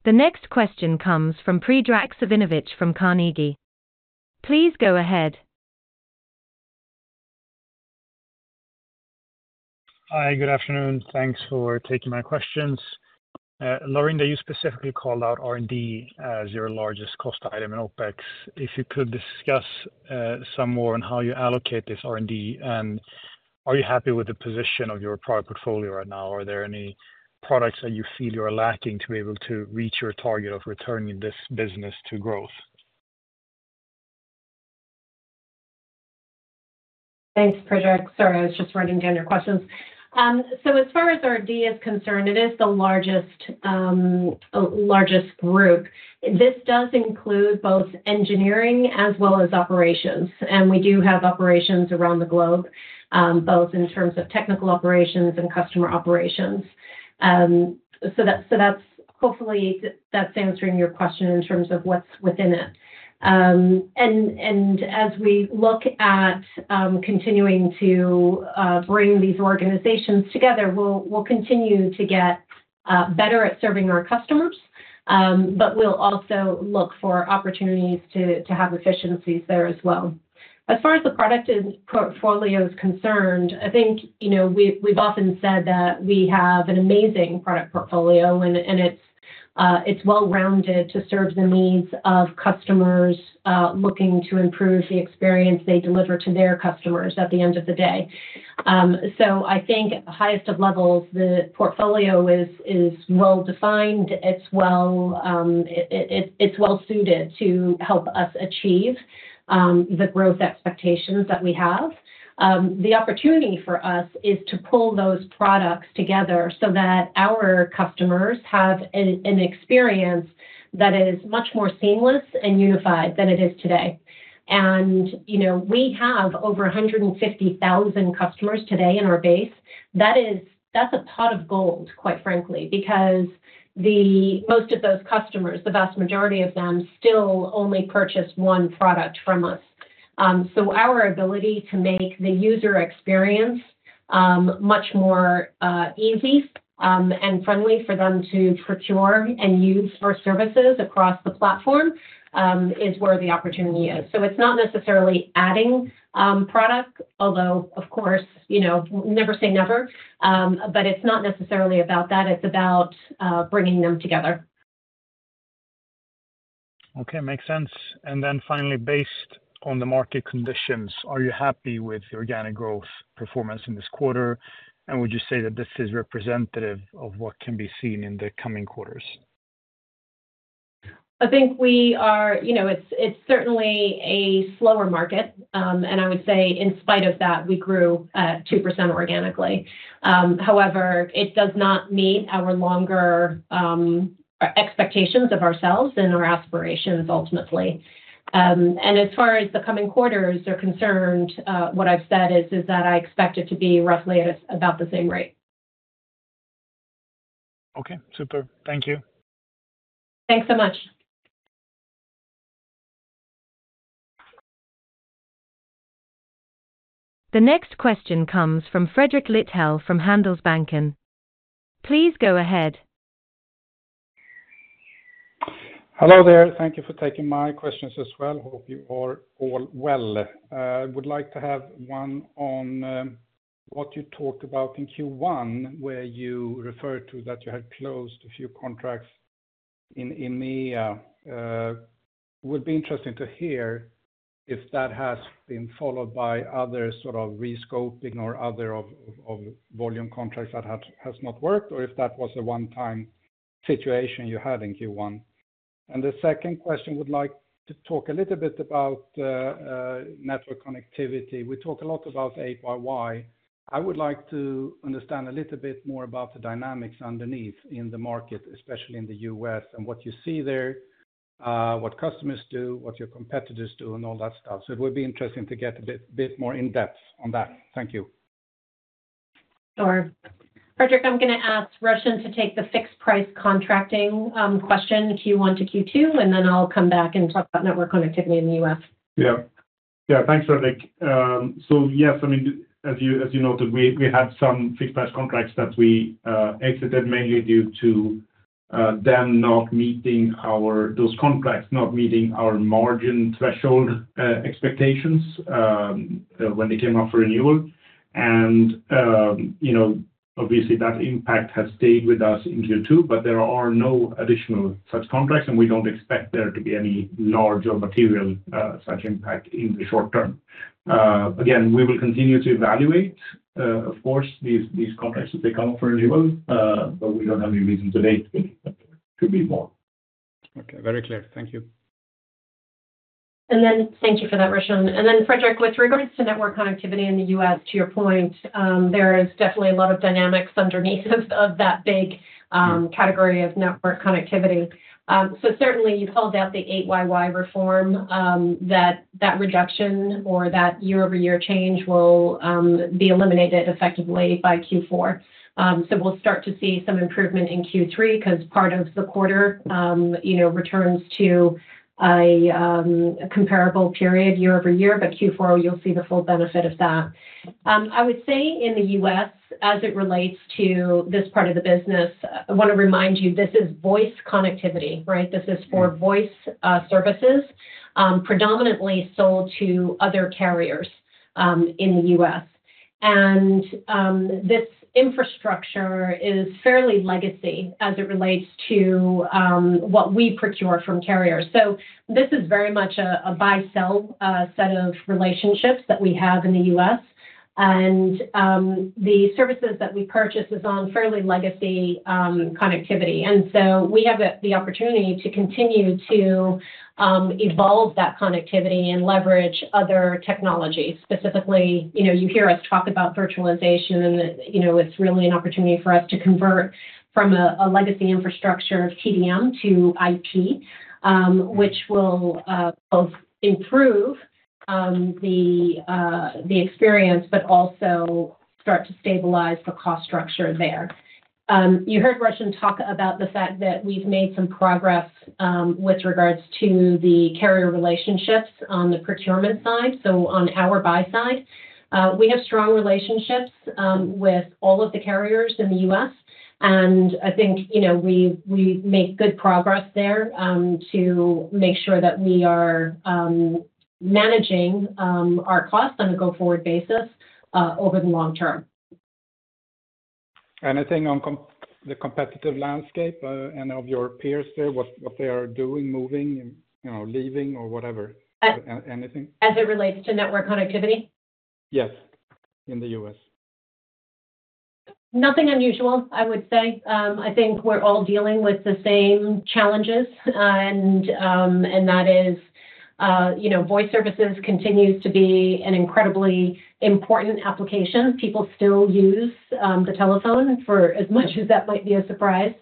[SPEAKER 1] The next question comes from Predrag Savinovic from Carnegie. Please go ahead.
[SPEAKER 9] Hi, good afternoon. Thanks for taking my questions. Lorinda, you specifically called out R&D as your largest cost item in OpEx. If you could discuss some more on how you allocate this R&D, and are you happy with the position of your product portfolio right now? Are there any products that you feel you are lacking to be able to reach your target of returning this business to growth?
[SPEAKER 3] Thanks, Predrag. Sorry, I was just writing down your questions. So as far as R&D is concerned, it is the largest, largest group. This does include both engineering as well as operations, and we do have operations around the globe, both in terms of technical operations and customer operations. So that's, so that's hopefully that's answering your question in terms of what's within it. And, and as we look at, continuing to, bring these organizations together, we'll, we'll continue to get, better at serving our customers, but we'll also look for opportunities to, to have efficiencies there as well. As far as the product portfolio is concerned, I think, you know, we've often said that we have an amazing product portfolio, and it's well-rounded to serve the needs of customers looking to improve the experience they deliver to their customers at the end of the day. So I think at the highest of levels, the portfolio is well defined, it's well suited to help us achieve the growth expectations that we have. The opportunity for us is to pull those products together so that our customers have an experience that is much more seamless and unified than it is today. And, you know, we have over 150,000 customers today in our base. That's a pot of gold, quite frankly, because the most of those customers, the vast majority of them, still only purchase one product from us. So our ability to make the user experience much more easy and friendly for them to procure and use our services across the platform is where the opportunity is. So it's not necessarily adding product, although of course, you know, never say never. But it's not necessarily about that. It's about bringing them together.
[SPEAKER 9] Okay, makes sense. And then finally, based on the market conditions, are you happy with the organic growth performance in this quarter? And would you say that this is representative of what can be seen in the coming quarters?
[SPEAKER 3] I think we are. You know, it's certainly a slower market, and I would say in spite of that, we grew 2% organically. However, it does not meet our longer expectations of ourselves and our aspirations ultimately. As far as the coming quarters are concerned, what I've said is that I expect it to be roughly at about the same rate.
[SPEAKER 9] Okay, super. Thank you.
[SPEAKER 3] Thanks so much.
[SPEAKER 1] The next question comes from Fredrik Lithell from Handelsbanken. Please go ahead.
[SPEAKER 10] Hello there. Thank you for taking my questions as well. Hope you are all well. Would like to have one on what you talked about in Q1, where you referred to that you had closed a few contracts. Would be interesting to hear if that has been followed by other sort of rescoping or other of volume contracts that has not worked, or if that was a one-time situation you had in Q1. And the second question, would like to talk a little bit about network connectivity. We talk a lot about 8YY. I would like to understand a little bit more about the dynamics underneath in the market, especially in the U.S., and what you see there, what customers do, what your competitors do, and all that stuff. It would be interesting to get a bit more in depth on that. Thank you.
[SPEAKER 3] Sure. Fredrik, I'm gonna ask Roshan to take the fixed price contracting question, Q1 to Q2, and then I'll come back and talk about network connectivity in the U.S.
[SPEAKER 4] Yeah. Yeah, thanks, Fredrik. So yes, I mean, as you noted, we had some fixed price contracts that we exited, mainly due to them not meeting our... Those contracts not meeting our margin threshold expectations when they came up for renewal. And you know, obviously, that impact has stayed with us in Q2, but there are no additional such contracts, and we don't expect there to be any large or material such impact in the short term. Again, we will continue to evaluate, of course, these contracts as they come up for renewal, but we don't have any reason to date. Could be more.
[SPEAKER 10] Okay, very clear. Thank you.
[SPEAKER 3] Thank you for that, Roshan. Then, Fredrik, with regards to network connectivity in the U.S., to your point, there is definitely a lot of dynamics underneath of that big category of network connectivity. So certainly you called out the 8YY reform, that reduction or that year-over-year change will be eliminated effectively by Q4. So we'll start to see some improvement in Q3, because part of the quarter, you know, returns to a comparable period year over year, but Q4, you'll see the full benefit of that. I would say in the U.S., as it relates to this part of the business, I want to remind you, this is voice connectivity, right? This is for voice services, predominantly sold to other carriers, in the U.S. This infrastructure is fairly legacy as it relates to what we procure from carriers. So this is very much a buy, sell set of relationships that we have in the U.S. The services that we purchase is on fairly legacy connectivity. So we have the opportunity to continue to evolve that connectivity and leverage other technologies. Specifically, you know, you hear us talk about virtualization, and, you know, it's really an opportunity for us to convert from a legacy infrastructure of TDM to IT, which will both improve the experience, but also start to stabilize the cost structure there. You heard Roshan talk about the fact that we've made some progress with regards to the carrier relationships on the procurement side, so on our buy side. We have strong relationships with all of the carriers in the U.S., and I think, you know, we make good progress there to make sure that we are managing our costs on a go-forward basis over the long term.
[SPEAKER 10] Anything on the competitive landscape, and of your peers there, what they are doing, moving and, you know, leaving or whatever? Anything?
[SPEAKER 3] As it relates to network connectivity?
[SPEAKER 10] Yes, in the US....
[SPEAKER 3] Nothing unusual, I would say. I think we're all dealing with the same challenges. And, and that is, you know, voice services continues to be an incredibly important application. People still use the telephone for as much as that might be a surprise.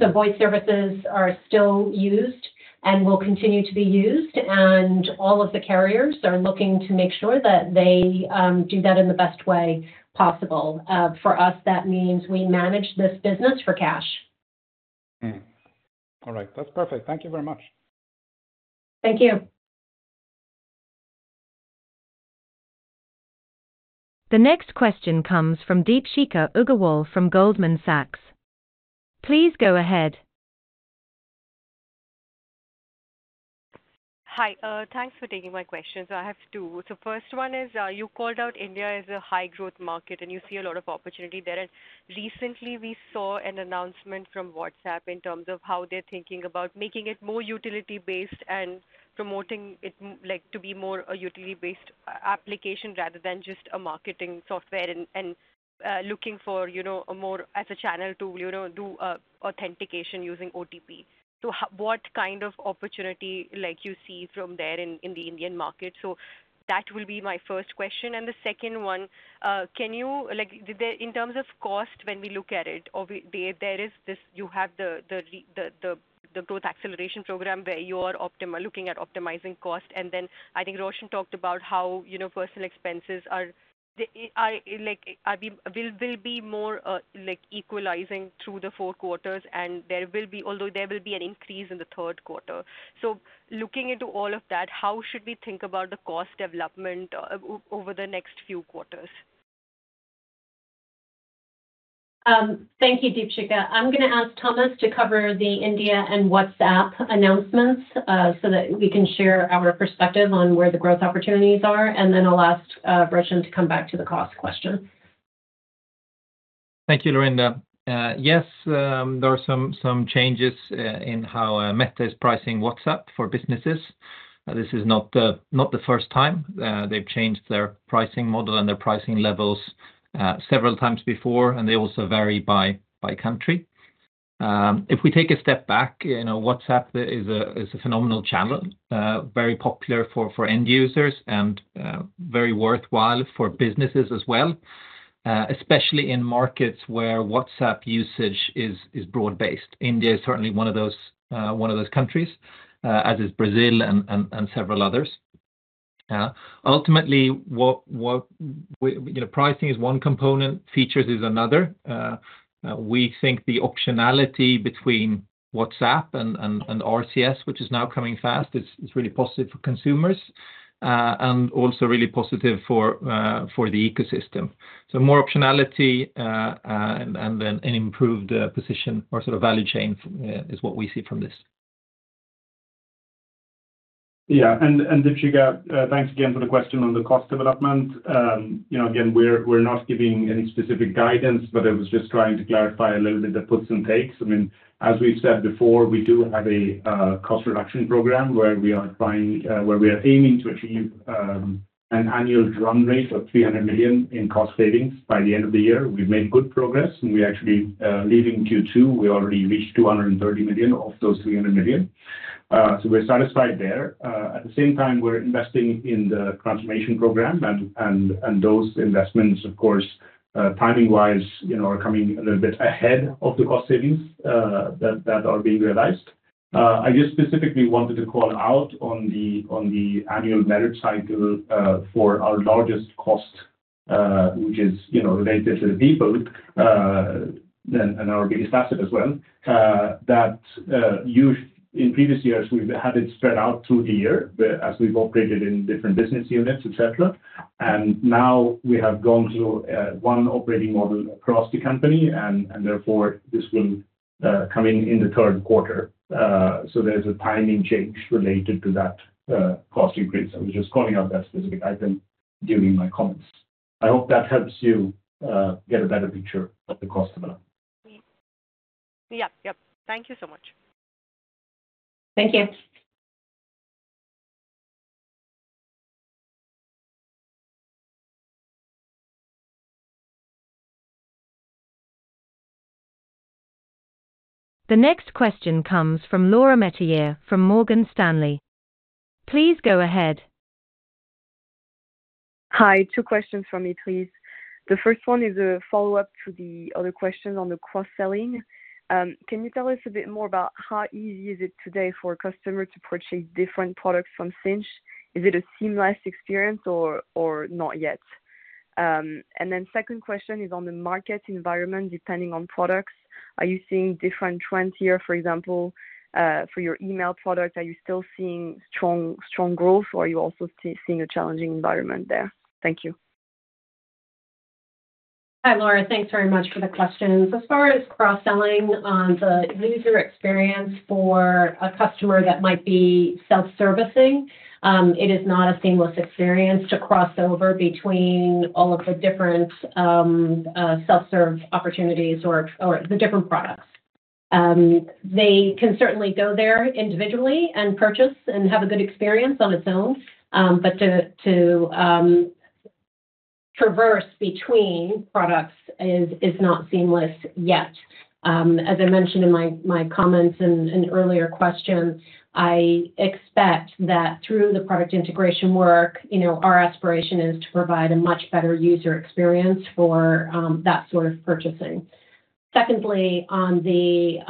[SPEAKER 3] So voice services are still used and will continue to be used, and all of the carriers are looking to make sure that they do that in the best way possible. For us, that means we manage this business for cash.
[SPEAKER 10] Mm. All right. That's perfect. Thank you very much.
[SPEAKER 3] Thank you.
[SPEAKER 1] The next question comes from Deepshikha Agarwal from Goldman Sachs. Please go ahead.
[SPEAKER 11] Hi, thanks for taking my questions. I have two. So first one is, you called out India as a high growth market, and you see a lot of opportunity there. And recently we saw an announcement from WhatsApp in terms of how they're thinking about making it more utility-based and promoting it, like, to be more a utility-based application, rather than just a marketing software, and, and, looking for, you know, a more as a channel to, you know, do authentication using OTP. So what kind of opportunity, like, you see from there in, in the Indian market? So that will be my first question. And the second one, can you... Like, in terms of cost, when we look at it, or there is this, you have the growth acceleration program, where you are looking at optimizing cost. And then I think Roshan talked about how, you know, personal expenses are, like, will be more, like, equalizing through the four quarters, and there will be, although there will be an increase in the third quarter. So looking into all of that, how should we think about the cost development over the next few quarters?
[SPEAKER 3] Thank you, Deepshikha. I'm gonna ask Thomas to cover the India and WhatsApp announcements, so that we can share our perspective on where the growth opportunities are. And then I'll ask Roshan to come back to the cost question.
[SPEAKER 2] Thank you, Lorinda. Yes, there are some changes in how Meta is pricing WhatsApp for businesses. This is not the first time. They've changed their pricing model and their pricing levels several times before, and they also vary by country. If we take a step back, you know, WhatsApp is a phenomenal channel, very popular for end users and very worthwhile for businesses as well, especially in markets where WhatsApp usage is broad-based. India is certainly one of those countries, as is Brazil and several others. Ultimately, you know, pricing is one component, features is another. We think the optionality between WhatsApp and RCS, which is now coming fast, is really positive for consumers, and also really positive for the ecosystem. So more optionality, and then an improved position or sort of value chain, is what we see from this.
[SPEAKER 4] Yeah. And Deepshikha, thanks again for the question on the cost development. You know, again, we're not giving any specific guidance, but I was just trying to clarify a little bit the puts and takes. I mean, as we've said before, we do have a cost reduction program, where we are aiming to achieve an annual run rate of 300 million in cost savings by the end of the year. We've made good progress, and we actually, leaving Q2, we already reached 230 million of those 300 million, so we're satisfied there. At the same time, we're investing in the transformation program, and those investments, of course, timing-wise, you know, are coming a little bit ahead of the cost savings that are being realized. I just specifically wanted to call out on the annual merit cycle for our largest cost, which is, you know, related to the people, and our biggest asset as well, that in previous years, we've had it spread out through the year, but as we've operated in different business units, et cetera, and now we have gone to one operating model across the company, and therefore this will come in in the third quarter. So there's a timing change related to that cost increase. I was just calling out that specific item during my comments. I hope that helps you get a better picture of the cost development.
[SPEAKER 11] Yeah. Yep. Thank you so much.
[SPEAKER 3] Thank you.
[SPEAKER 1] The next question comes from Laura Metayer from Morgan Stanley. Please go ahead.
[SPEAKER 12] Hi, two questions from me, please. The first one is a follow-up to the other question on the cross-selling. Can you tell us a bit more about how easy is it today for a customer to purchase different products from Sinch? Is it a seamless experience or, or not yet? And then second question is on the market environment, depending on products, are you seeing different trends here, for example, for your email products, are you still seeing strong, strong growth, or are you also seeing a challenging environment there? Thank you.
[SPEAKER 3] Hi, Laura. Thanks very much for the questions. As far as cross-selling, the user experience for a customer that might be self-servicing, it is not a seamless experience to cross over between all of the different, self-serve opportunities or the different products. They can certainly go there individually and purchase and have a good experience on its own. But to traverse between products is not seamless yet. As I mentioned in my comments in an earlier question, I expect that through the product integration work, you know, our aspiration is to provide a much better user experience for that sort of purchasing. Secondly, on the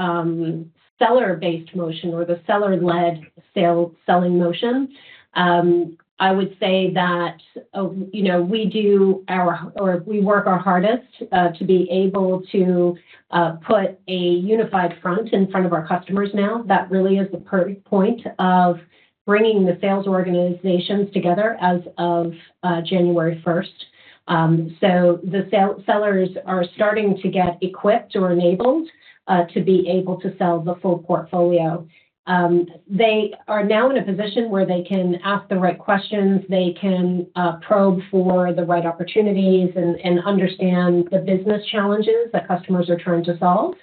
[SPEAKER 3] seller-based motion or the seller-led sale selling motion, I would say that, you know, we work our hardest to be able to put a unified front in front of our customers now. That really is the key point of bringing the sales organizations together as of January first. So the sellers are starting to get equipped or enabled to be able to sell the full portfolio. They are now in a position where they can ask the right questions, they can probe for the right opportunities and, and understand the business challenges that customers are trying to solve.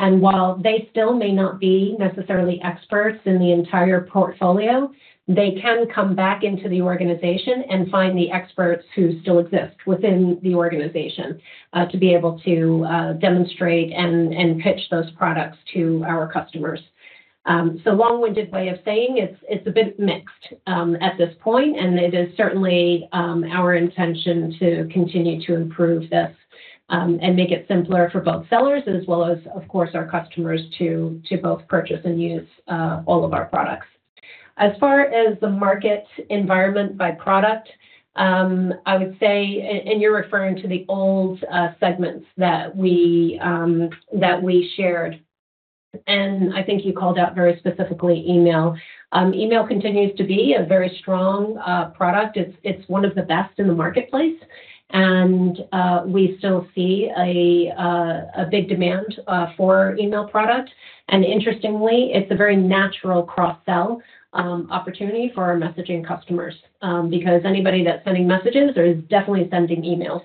[SPEAKER 3] While they still may not be necessarily experts in the entire portfolio, they can come back into the organization and find the experts who still exist within the organization to be able to demonstrate and pitch those products to our customers. So long-winded way of saying it's a bit mixed at this point, and it is certainly our intention to continue to improve this and make it simpler for both sellers as well as, of course, our customers to both purchase and use all of our products. As far as the market environment by product, I would say, and you're referring to the old segments that we shared, and I think you called out very specifically Email. Email continues to be a very strong product. It's one of the best in the marketplace, and we still see a big demand for email product. And interestingly, it's a very natural cross-sell opportunity for our messaging customers, because anybody that's sending messages is definitely sending emails.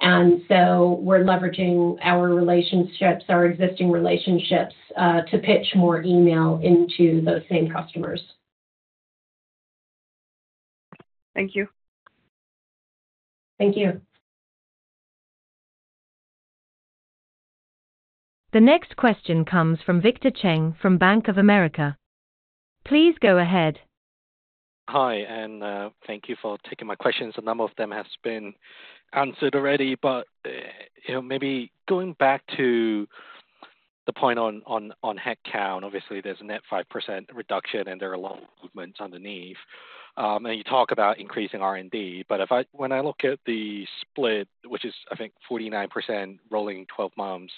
[SPEAKER 3] And so we're leveraging our relationships, our existing relationships, to pitch more email into those same customers.
[SPEAKER 13] Thank you.
[SPEAKER 3] Thank you.
[SPEAKER 1] The next question comes from Victor Cheng from Bank of America. Please go ahead.
[SPEAKER 13] Hi, and thank you for taking my questions. A number of them has been answered already, but you know, maybe going back to the point on headcount, obviously there's a net 5% reduction, and there are a lot of movements underneath. And you talk about increasing R&D, but if I—when I look at the split, which is, I think, 49% rolling 12 months,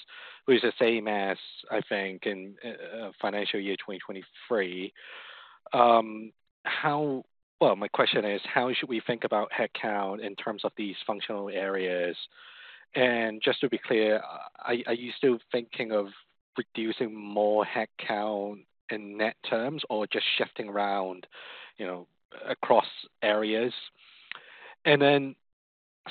[SPEAKER 13] which is the same as, I think, in financial year 2023. How... Well, my question is, how should we think about headcount in terms of these functional areas? And just to be clear, are you still thinking of reducing more headcount in net terms or just shifting around, you know, across areas? And then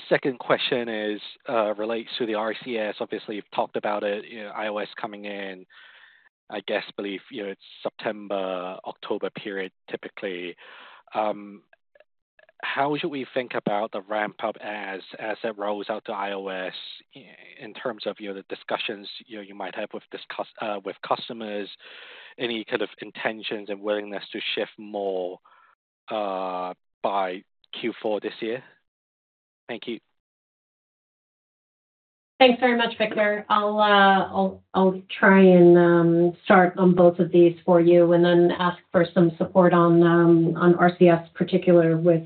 [SPEAKER 13] second question is relates to the RCS. Obviously, you've talked about it, you know, iOS coming in. I guess, believe, you know, it's September, October period, typically. How should we think about the ramp-up as it rolls out to iOS in terms of, you know, the discussions, you know, you might have with customers, any kind of intentions and willingness to shift more by Q4 this year? Thank you.
[SPEAKER 3] Thanks very much, Victor. I'll try and start on both of these for you and then ask for some support on RCS, particular with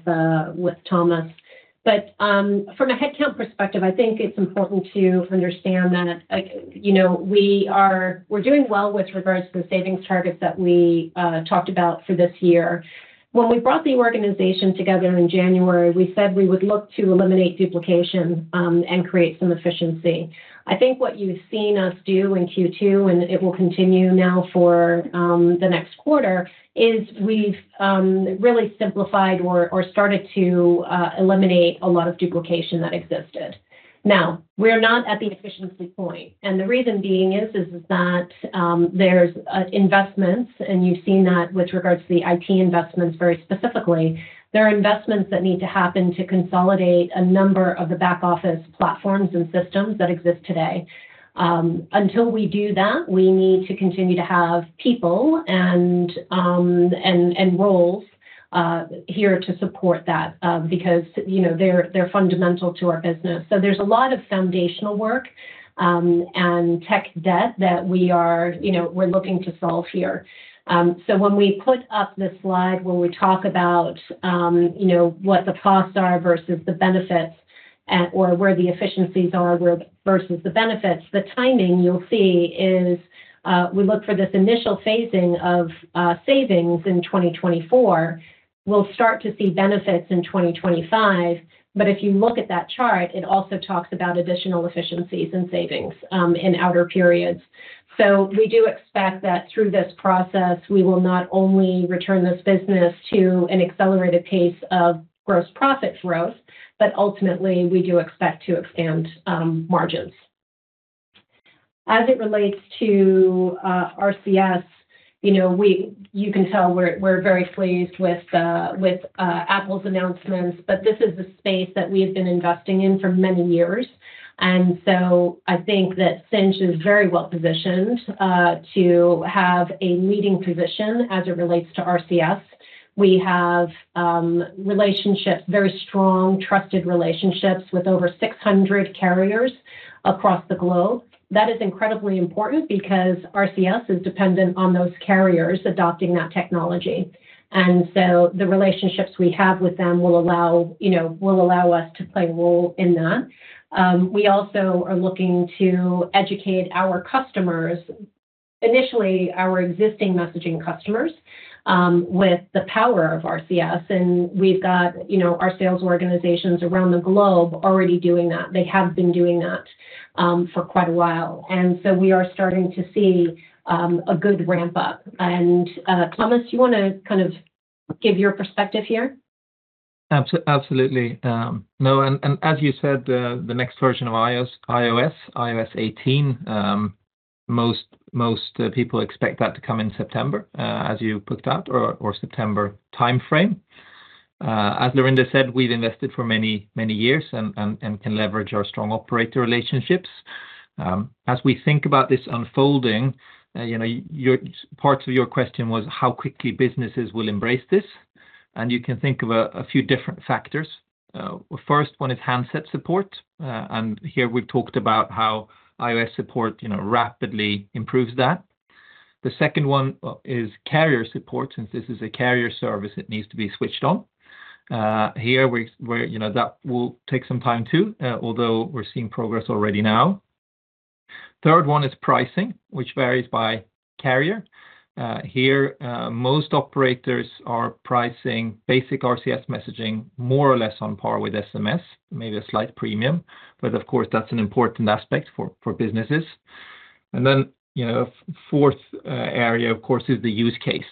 [SPEAKER 3] Thomas. But from a headcount perspective, I think it's important to understand that, you know, we're doing well with regards to the savings targets that we talked about for this year. When we brought the organization together in January, we said we would look to eliminate duplication and create some efficiency. I think what you've seen us do in Q2, and it will continue now for the next quarter, is we've really simplified or started to eliminate a lot of duplication that existed. Now, we are not at the efficiency point, and the reason being is that there's investments, and you've seen that with regards to the IT investments very specifically. There are investments that need to happen to consolidate a number of the back-office platforms and systems that exist today. Until we do that, we need to continue to have people and roles here to support that, because, you know, they're fundamental to our business. So there's a lot of foundational work and tech debt that, you know, we're looking to solve here. So when we put up the slide where we talk about, you know, what the costs are versus the benefits, or where the efficiencies are versus the benefits, the timing you'll see is, we look for this initial phasing of savings in 2024. We'll start to see benefits in 2025. But if you look at that chart, it also talks about additional efficiencies and savings in outer periods. So we do expect that through this process, we will not only return this business to an accelerated pace of gross profit growth, but ultimately we do expect to expand margins. As it relates to RCS, you know, you can tell we're very pleased with Apple's announcements, but this is a space that we have been investing in for many years. And so I think that Sinch is very well positioned to have a leading position as it relates to RCS. We have relationships, very strong, trusted relationships with over 600 carriers across the globe. That is incredibly important because RCS is dependent on those carriers adopting that technology. And so the relationships we have with them will allow, you know, will allow us to play a role in that. We also are looking to educate our customers, initially, our existing messaging customers, with the power of RCS, and we've got, you know, our sales organizations around the globe already doing that. They have been doing that for quite a while, and so we are starting to see a good ramp-up. And, Thomas, you want to kind of give your perspective here?
[SPEAKER 14] Absolutely. No, and as you said, the next version of iOS 18, most people expect that to come in September, as you put that, or September time frame. As Lorinda said, we've invested for many years and can leverage our strong operator relationships. As we think about this unfolding, you know, your part of your question was how quickly businesses will embrace this, and you can think of a few different factors. First one is handset support, and here we've talked about how iOS support, you know, rapidly improves that. The second one is carrier support. Since this is a carrier service, it needs to be switched on. Here, we're, you know, that will take some time, too, although we're seeing progress already now. Third one is pricing, which varies by carrier. Here, most operators are pricing basic RCS messaging more or less on par with SMS, maybe a slight premium, but of course, that's an important aspect for businesses. And then, you know, fourth area, of course, is the use case.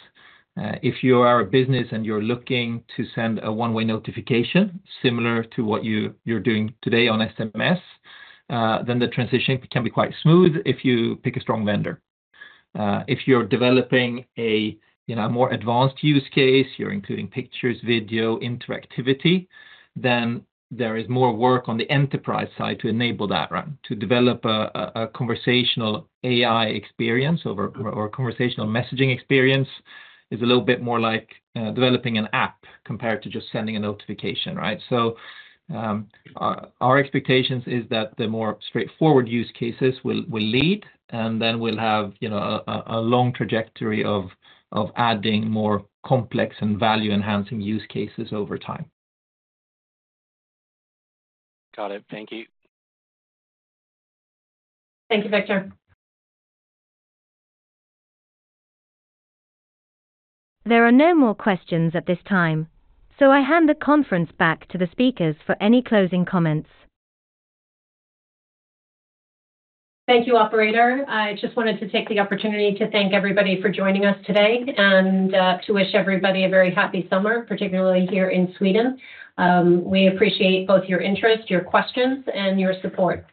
[SPEAKER 14] If you are a business and you're looking to send a one-way notification similar to what you're doing today on SMS, then the transition can be quite smooth if you pick a strong vendor. If you're developing a, you know, more advanced use case, you're including pictures, video, interactivity, then there is more work on the enterprise side to enable that, right? To develop a conversational AI experience over or conversational messaging experience is a little bit more like developing an app compared to just sending a notification, right? So, our expectations is that the more straightforward use cases will lead, and then we'll have, you know, a long trajectory of adding more complex and value-enhancing use cases over time. Got it. Thank you.
[SPEAKER 3] Thank you, Victor.
[SPEAKER 1] There are no more questions at this time, so I hand the conference back to the speakers for any closing comments.
[SPEAKER 3] Thank you, operator. I just wanted to take the opportunity to thank everybody for joining us today and to wish everybody a very happy summer, particularly here in Sweden. We appreciate both your interest, your questions, and your support.